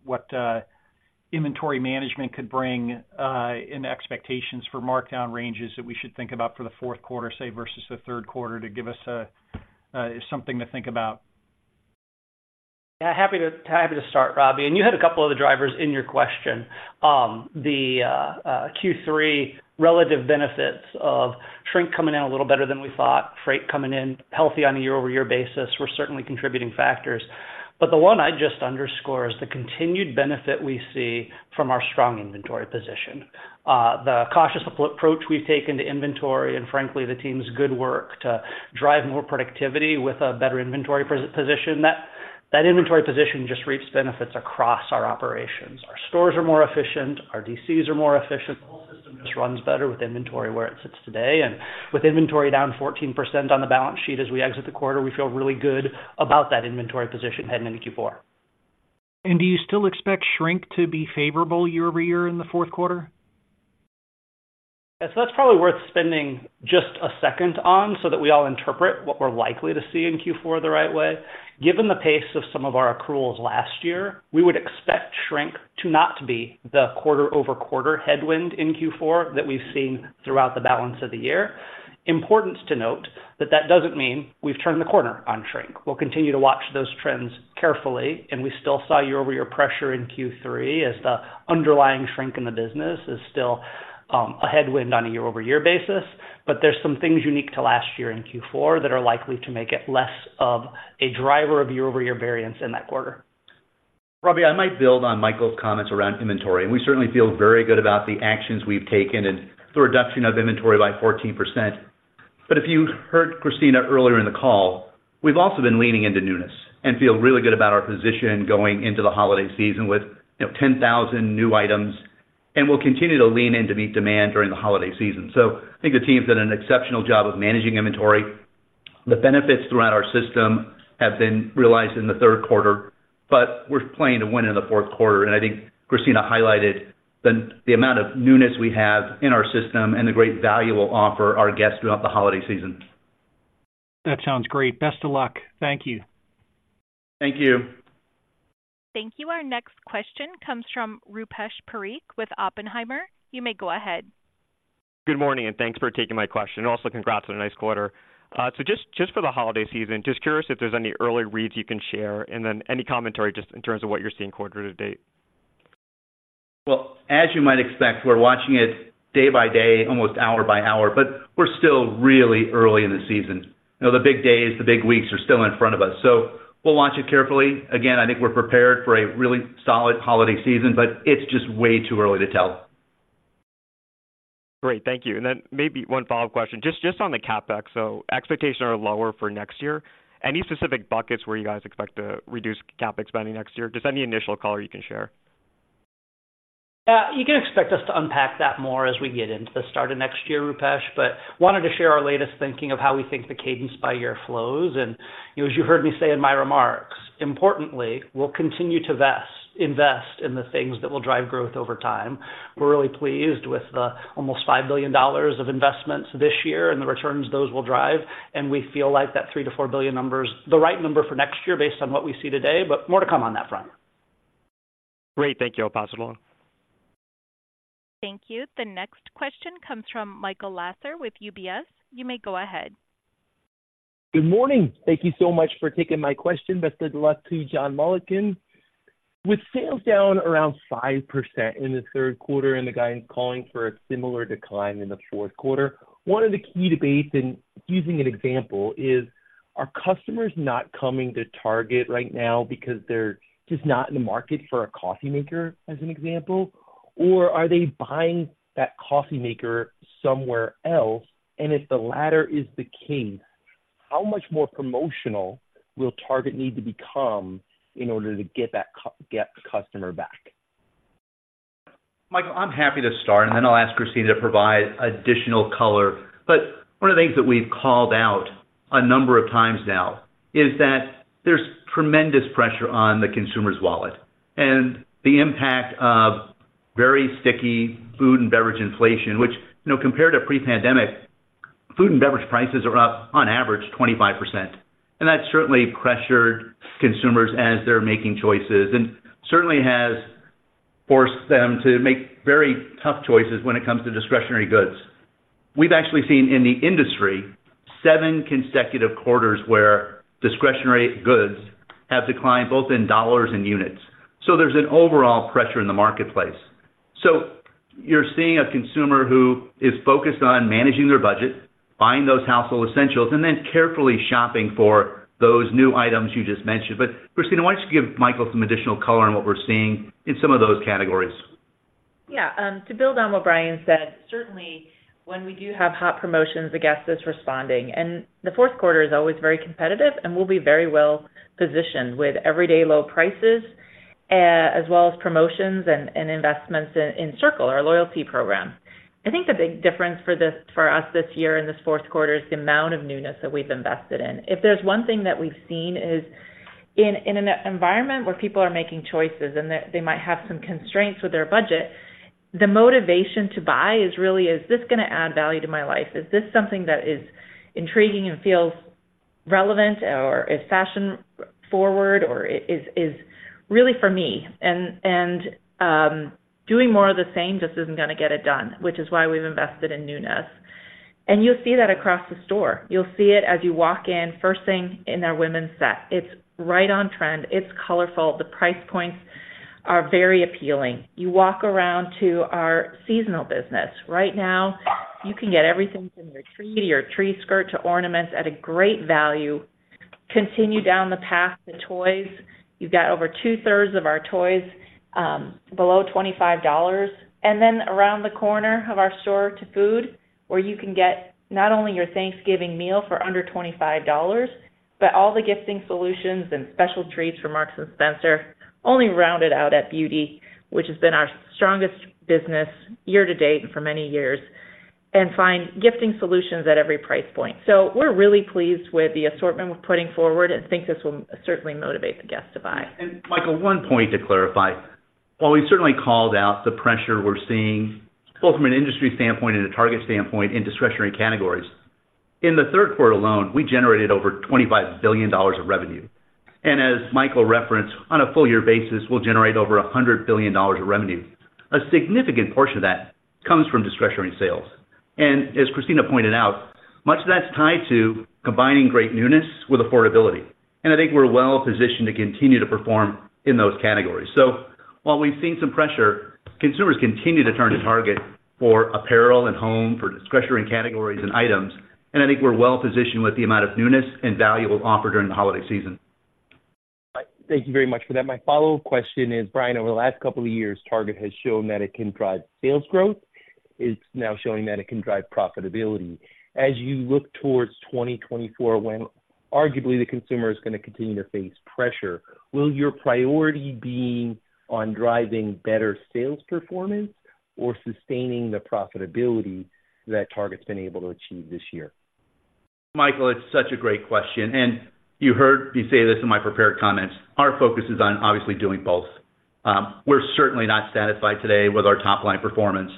inventory management could bring in expectations for markdown ranges that we should think about for the fourth quarter, say, versus the third quarter, to give us something to think about. Yeah, happy to, happy to start, Robbie, and you had a couple of the drivers in your question. The Q3 relative benefits of shrink coming in a little better than we thought, freight coming in healthy on a year-over-year basis, were certainly contributing factors. But the one I'd just underscore is the continued benefit we see from our strong inventory position. The cautious approach we've taken to inventory and frankly, the team's good work to drive more productivity with a better inventory position. That inventory position just reaps benefits across our operations. Our stores are more efficient, our DCs are more efficient. The whole system just runs better with inventory where it sits today, and with inventory down 14% on the balance sheet as we exit the quarter, we feel really good about that inventory position heading into Q4. Do you still expect shrink to be favorable year-over-year in the fourth quarter? Yeah, so that's probably worth spending just a second on so that we all interpret what we're likely to see in Q4 the right way. Given the pace of some of our accruals last year, we would expect shrink to not be the quarter-over-quarter headwind in Q4 that we've seen throughout the balance of the year. Important to note, that that doesn't mean we've turned the corner on shrink. We'll continue to watch those trends carefully, and we still saw year-over-year pressure in Q3 as the underlying shrink in the business is still, a headwind on a year-over-year basis. But there's some things unique to last year in Q4 that are likely to make it less of a driver of year-over-year variance in that quarter. Robbie, I might build on Michael's comments around inventory, and we certainly feel very good about the actions we've taken and the reduction of inventory by 14%. But if you heard Christina earlier in the call, we've also been leaning into newness and feel really good about our position going into the holiday season with, you know, 10,000 new items. And we'll continue to lean in to meet demand during the holiday season. So I think the team's done an exceptional job of managing inventory. The benefits throughout our system have been realized in the third quarter, but we're playing to win in the fourth quarter, and I think Christina highlighted the amount of newness we have in our system and the great value we'll offer our guests throughout the holiday season. That sounds great. Best of luck. Thank you. Thank you. Thank you. Our next question comes from Roopesh Parikh with Oppenheimer. You may go ahead. Good morning, and thanks for taking my question. Also, congrats on a nice quarter. So just for the holiday season, just curious if there's any early reads you can share, and then any commentary just in terms of what you're seeing quarter to date. Well, as you might expect, we're watching it day by day, almost hour by hour, but we're still really early in the season. You know, the big days, the big weeks are still in front of us, so we'll watch it carefully. Again, I think we're prepared for a really solid holiday season, but it's just way too early to tell. Great. Thank you. And then maybe one follow-up question, just on the CapEx. So expectations are lower for next year. Any specific buckets where you guys expect to reduce CapEx spending next year? Just any initial color you can share? Yeah, you can expect us to unpack that more as we get into the start of next year, Roopesh, but wanted to share our latest thinking of how we think the cadence by year flows. And, you know, as you heard me say in my remarks, importantly, we'll continue to invest in the things that will drive growth over time. We're really pleased with the almost $5 billion of investments this year and the returns those will drive, and we feel like that $3 billion-$4 billion number's the right number for next year based on what we see today, but more to come on that front. Great. Thank you. I'll pass it along. Thank you. The next question comes from Michael Lasser with UBS. You may go ahead. Good morning. Thank you so much for taking my question. Best of luck to you, John Mulligan. With sales down around 5% in the third quarter, and the guys calling for a similar decline in the fourth quarter, one of the key debates in using an example is, are customers not coming to Target right now because they're just not in the market for a coffee maker, as an example, or are they buying that coffee maker somewhere else? And if the latter is the case, how much more promotional will Target need to become in order to get the customer back? Michael, I'm happy to start, and then I'll ask Christina to provide additional color. One of the things that we've called out a number of times now is that there's tremendous pressure on the consumer's wallet and the impact of very sticky food and beverage inflation, which, you know, compared to pre-pandemic, food and beverage prices are up, on average, 25%. That's certainly pressured consumers as they're making choices, and certainly has forced them to make very tough choices when it comes to discretionary goods. We've actually seen in the industry, seven consecutive quarters where discretionary goods have declined, both in dollars and units. There's an overall pressure in the marketplace. You're seeing a consumer who is focused on managing their budget, buying those household essentials, and then carefully shopping for those new items you just mentioned. But Christina, why don't you give Michael some additional color on what we're seeing in some of those categories? Yeah, to build on what Brian said, certainly when we do have hot promotions, the guest is responding, and the fourth quarter is always very competitive and we'll be very well positioned with everyday low prices, as well as promotions and investments in Circle, our loyalty program. I think the big difference for us this year in this fourth quarter is the amount of newness that we've invested in. If there's one thing that we've seen is in an environment where people are making choices and they might have some constraints with their budget, the motivation to buy is really is this gonna add value to my life? Is this something that is intriguing and feels relevant or is fashion forward or is really for me? Doing more of the same just isn't gonna get it done, which is why we've invested in newness. You'll see that across the store. You'll see it as you walk in, first thing in our women's set. It's right on trend, it's colorful, the price points are very appealing. You walk around to our seasonal business. Right now, you can get everything from your tree to your tree skirt to ornaments at a great value. Continue down the path, the toys, you've got over 2/3 of our toys below $25. Then around the corner of our store to food, where you can get not only your Thanksgiving meal for under $25, but all the gifting solutions and special treats from Marks & Spencer, only rounded out at beauty, which has been our strongest business year to date and for many years, and find gifting solutions at every price point. So we're really pleased with the assortment we're putting forward and think this will certainly motivate the guests to buy. Michael, one point to clarify. While we certainly called out the pressure we're seeing, both from an industry standpoint and a Target standpoint in discretionary categories, in the third quarter alone, we generated over $25 billion of revenue. As Michael referenced, on a full year basis, we'll generate over $100 billion of revenue. A significant portion of that comes from discretionary sales. As Christina pointed out, much of that's tied to combining great newness with affordability. And I think we're well positioned to continue to perform in those categories. So while we've seen some pressure, consumers continue to turn to Target for apparel and home, for discretionary categories and items, and I think we're well positioned with the amount of newness and value we'll offer during the holiday season. Thank you very much for that. My follow-up question is, Brian, over the last couple of years, Target has shown that it can drive sales growth. It's now showing that it can drive profitability. As you look towards 2024, when arguably the consumer is gonna continue to face pressure, will your priority be on driving better sales performance or sustaining the profitability that Target's been able to achieve this year? Michael, it's such a great question, and you heard me say this in my prepared comments. Our focus is on obviously doing both. We're certainly not satisfied today with our top line performance,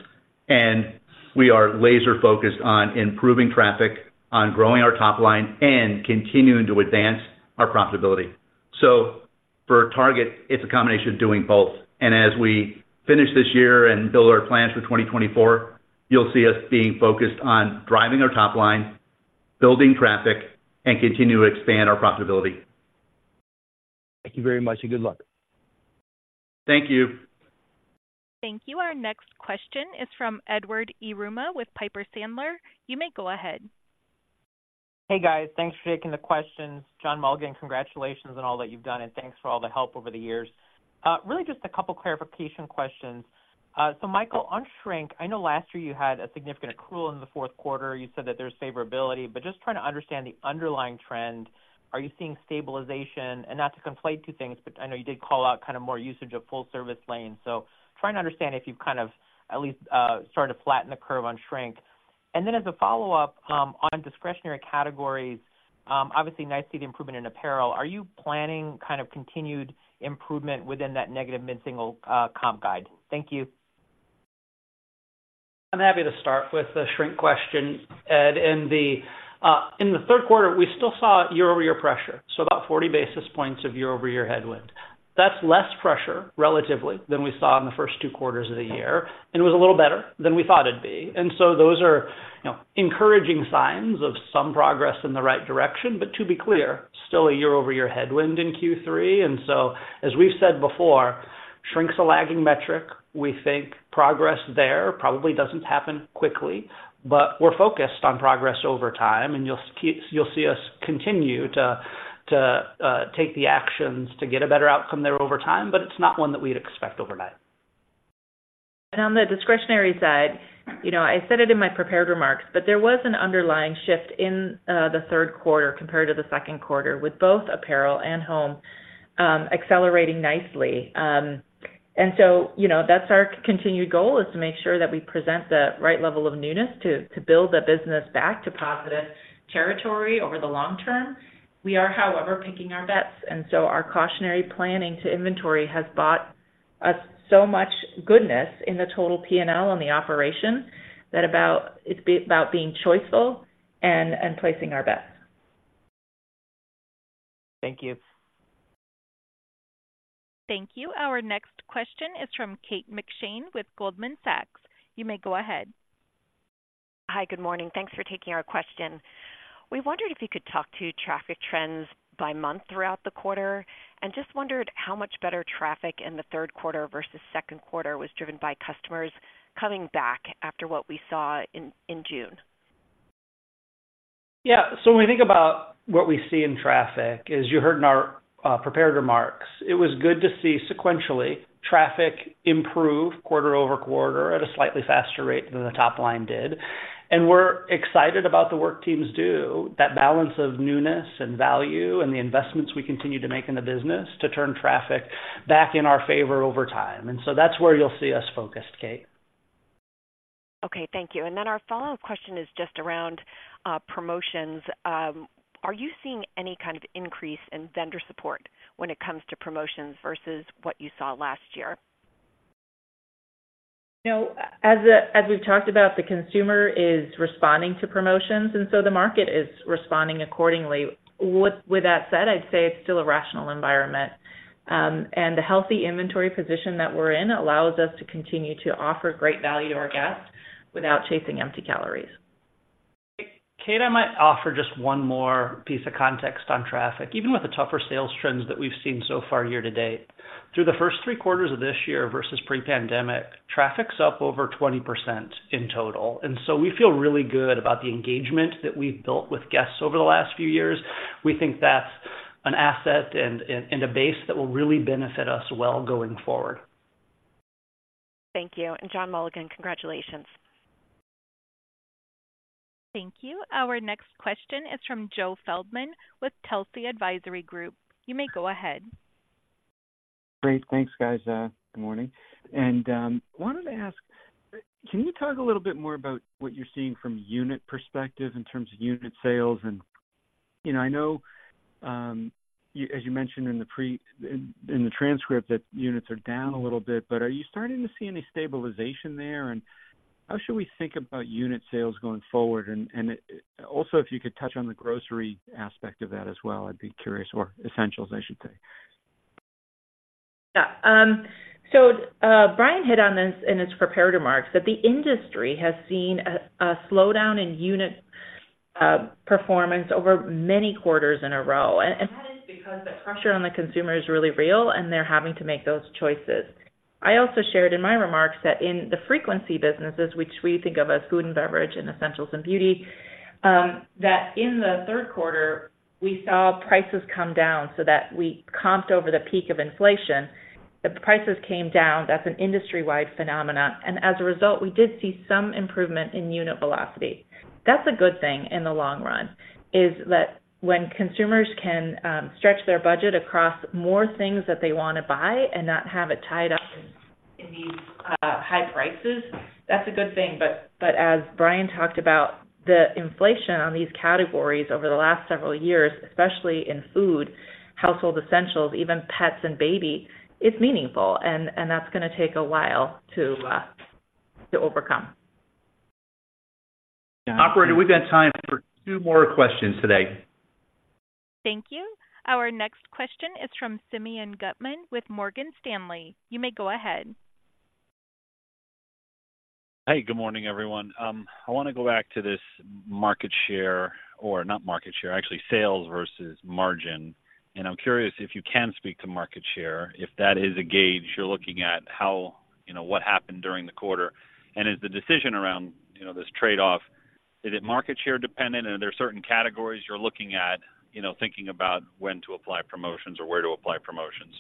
and we are laser-focused on improving traffic, on growing our top line and continuing to advance our profitability. So for Target, it's a combination of doing both. And as we finish this year and build our plans for 2024, you'll see us being focused on driving our top line, building traffic, and continue to expand our profitability. Thank you very much, and good luck. Thank you. Thank you. Our next question is from Edward Yruma with Piper Sandler. You may go ahead. Hey, guys. Thanks for taking the questions. John Mulligan, congratulations on all that you've done, and thanks for all the help over the years. Really just a couple clarification questions. So Michael, on shrink, I know last year you had a significant accrual in the fourth quarter. You said that there's favorability, but just trying to understand the underlying trend, are you seeing stabilization? And not to conflate two things, but I know you did call out kind of more usage of full service lanes. So trying to understand if you've kind of at least started to flatten the curve on shrink. And then as a follow-up, on discretionary categories, obviously nice to see the improvement in apparel. Are you planning kind of continued improvement within that negative mid-single comp guide? Thank you. I'm happy to start with the shrink question, Ed. In the third quarter, we still saw year-over-year pressure, so about 40 basis points of year-over-year headwind. That's less pressure, relatively, than we saw in the first two quarters of the year, and it was a little better than we thought it'd be. And so those are, you know, encouraging signs of some progress in the right direction, but to be clear, still a year-over-year headwind in Q3. And so, as we've said before, shrink's a lagging metric. We think progress there probably doesn't happen quickly, but we're focused on progress over time, and you'll see, you'll see us continue to take the actions to get a better outcome there over time, but it's not one that we'd expect overnight. On the discretionary side, you know, I said it in my prepared remarks, but there was an underlying shift in the third quarter compared to the second quarter, with both apparel and home accelerating nicely. And so, you know, that's our continued goal, is to make sure that we present the right level of newness to build the business back to positive territory over the long term. We are, however, picking our bets, and so our cautionary planning to inventory has bought us so much goodness in the total PNL on the operation, that it's about being choiceful and placing our bets. Thank you. Thank you. Our next question is from Kate McShane with Goldman Sachs. You may go ahead. Hi, good morning. Thanks for taking our question. We wondered if you could talk to traffic trends by month throughout the quarter, and just wondered how much better traffic in the third quarter versus second quarter was driven by customers coming back after what we saw in June. Yeah, so when we think about what we see in traffic, as you heard in our prepared remarks, it was good to see sequentially traffic improve quarter over quarter at a slightly faster rate than the top line did. And we're excited about the work teams do, that balance of newness and value and the investments we continue to make in the business to turn traffic back in our favor over time. And so that's where you'll see us focused, Kate. Okay, thank you. And then our follow-up question is just around promotions. Are you seeing any kind of increase in vendor support when it comes to promotions versus what you saw last year? You know, as we've talked about, the consumer is responding to promotions, and so the market is responding accordingly. With that said, I'd say it's still a rational environment, and the healthy inventory position that we're in allows us to continue to offer great value to our guests without chasing empty calories. Kate, I might offer just one more piece of context on traffic. Even with the tougher sales trends that we've seen so far year to date, through the first three quarters of this year versus pre-pandemic, traffic's up over 20% in total. And so we feel really good about the engagement that we've built with guests over the last few years. We think that's an asset and, and, and a base that will really benefit us well going forward. Thank you. And John Mulligan, congratulations. Thank you. Our next question is from Joe Feldman with Telsey Advisory Group. You may go ahead. Great. Thanks, guys. Good morning. And wanted to ask, can you talk a little bit more about what you're seeing from a unit perspective in terms of unit sales? And, you know, I know, you as you mentioned in the transcript, that units are down a little bit, but are you starting to see any stabilization there? And how should we think about unit sales going forward? And also, if you could touch on the grocery aspect of that as well, I'd be curious, or essentials, I should say. Yeah. So, Brian hit on this in his prepared remarks, that the industry has seen a slowdown in unit performance over many quarters in a row, and that is because the pressure on the consumer is really real, and they're having to make those choices. I also shared in my remarks that in the frequency businesses, which we think of as food and beverage and essentials and beauty, that in the third quarter, we saw prices come down so that we comped over the peak of inflation. The prices came down. That's an industry-wide phenomenon, and as a result, we did see some improvement in unit velocity. That's a good thing in the long run, is that when consumers can stretch their budget across more things that they want to buy and not have it tied up in these high prices, that's a good thing. But as Brian talked about, the inflation on these categories over the last several years, especially in food, household essentials, even pets and baby, is meaningful, and that's gonna take a while to overcome. Operator, we've got time for two more questions today. Thank you. Our next question is from Simeon Gutman with Morgan Stanley. You may go ahead. Hey, good morning, everyone. I wanna go back to this market share, or not market share, actually, sales versus margin. I'm curious if you can speak to market share, if that is a gauge you're looking at how, you know, what happened during the quarter. Is the decision around, you know, this trade-off, is it market share dependent? Are there certain categories you're looking at, you know, thinking about when to apply promotions or where to apply promotions?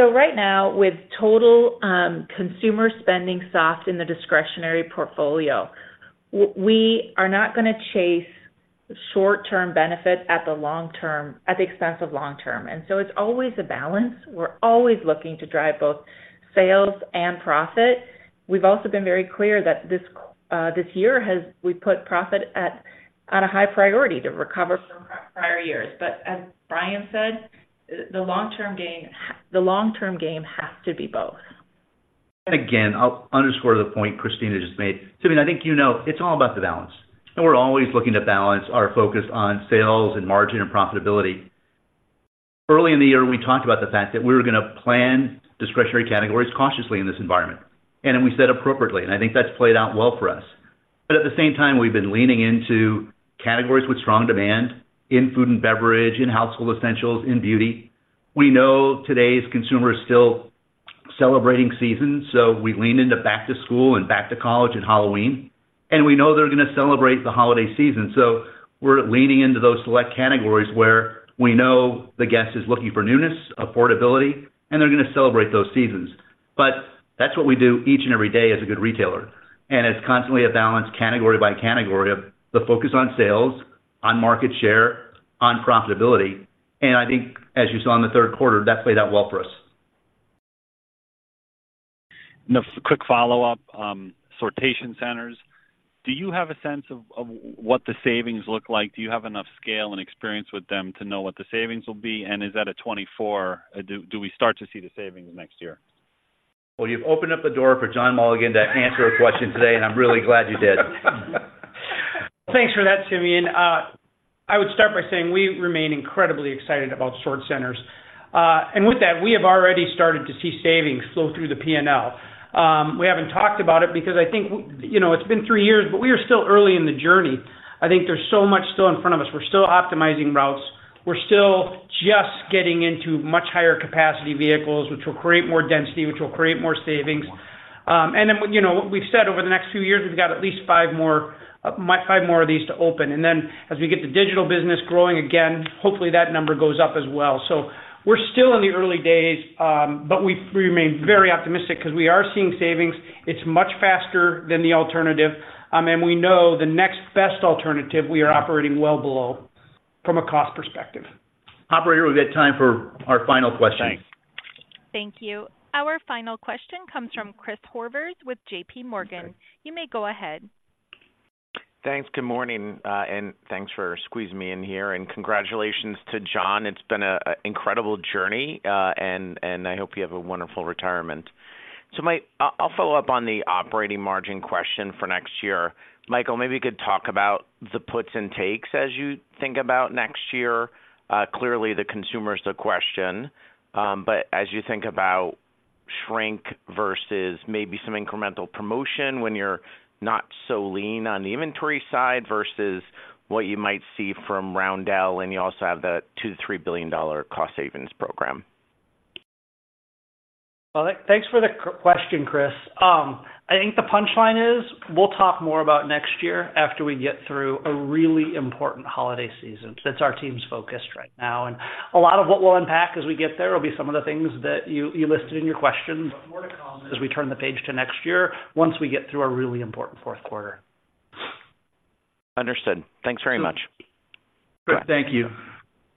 So right now, with total consumer spending soft in the discretionary portfolio, we are not gonna chase short-term benefit at the expense of long term. And so it's always a balance. We're always looking to drive both sales and profit. We've also been very clear that this year, we've put profit at a high priority to recover from prior years. But as Brian said, the long-term game has to be both. Again, I'll underscore the point Christina just made. Simeon, I think you know, it's all about the balance, and we're always looking to balance our focus on sales and margin and profitability. Early in the year, we talked about the fact that we were gonna plan discretionary categories cautiously in this environment, and then we said appropriately, and I think that's played out well for us. But at the same time, we've been leaning into categories with strong demand in food and beverage, in household essentials, in beauty. We know today's consumer is still celebrating seasons, so we lean into back to school and back to college and Halloween, and we know they're gonna celebrate the holiday season. So we're leaning into those select categories where we know the guest is looking for newness, affordability, and they're gonna celebrate those seasons. That's what we do each and every day as a good retailer, and it's constantly a balanced category by category of the focus on sales, on market share, on profitability. I think, as you saw in the third quarter, that played out well for us. A quick follow-up, sortation centers. Do you have a sense of what the savings look like? Do you have enough scale and experience with them to know what the savings will be? And is that at 24, do we start to see the savings next year? Well, you've opened up the door for John Mulligan to answer a question today, and I'm really glad you did. Thanks for that, Simeon. I would start by saying we remain incredibly excited about sortation centers. And with that, we have already started to see savings flow through the P&L. We haven't talked about it because I think, you know, it's been three years, but we are still early in the journey. I think there's so much still in front of us. We're still optimizing routes. We're still just getting into much higher capacity vehicles, which will create more density, which will create more savings. And then, you know, we've said over the next few years, we've got at least five more, five more of these to open. And then, as we get the digital business growing again, hopefully, that number goes up as well. So we're still in the early days, but we remain very optimistic because we are seeing savings. It's much faster than the alternative, and we know the next best alternative, we are operating well below from a cost perspective. Operator, we've got time for our final question. Thank you. Our final question comes from Chris Horvers with JPMorgan. You may go ahead. Thanks. Good morning, and thanks for squeezing me in here, and congratulations to John. It's been an incredible journey, and I hope you have a wonderful retirement. So Mike, I'll follow up on the operating margin question for next year. Michael, maybe you could talk about the puts and takes as you think about next year. Clearly, the consumer is the question, but as you think about shrink versus maybe some incremental promotion when you're not so lean on the inventory side versus what you might see from Roundel, and you also have the $2 billion-$3 billion cost savings program. Well, thanks for the question, Chris. I think the punchline is, we'll talk more about next year after we get through a really important holiday season. That's our team's focused right now, and a lot of what we'll unpack as we get there will be some of the things that you listed in your question, as we turn the page to next year, once we get through our really important fourth quarter. Understood. Thanks very much. Thank you.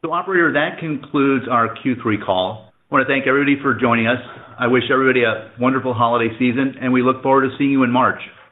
Operator, that concludes our Q3 call. I wanna thank everybody for joining us. I wish everybody a wonderful holiday season, and we look forward to seeing you in March.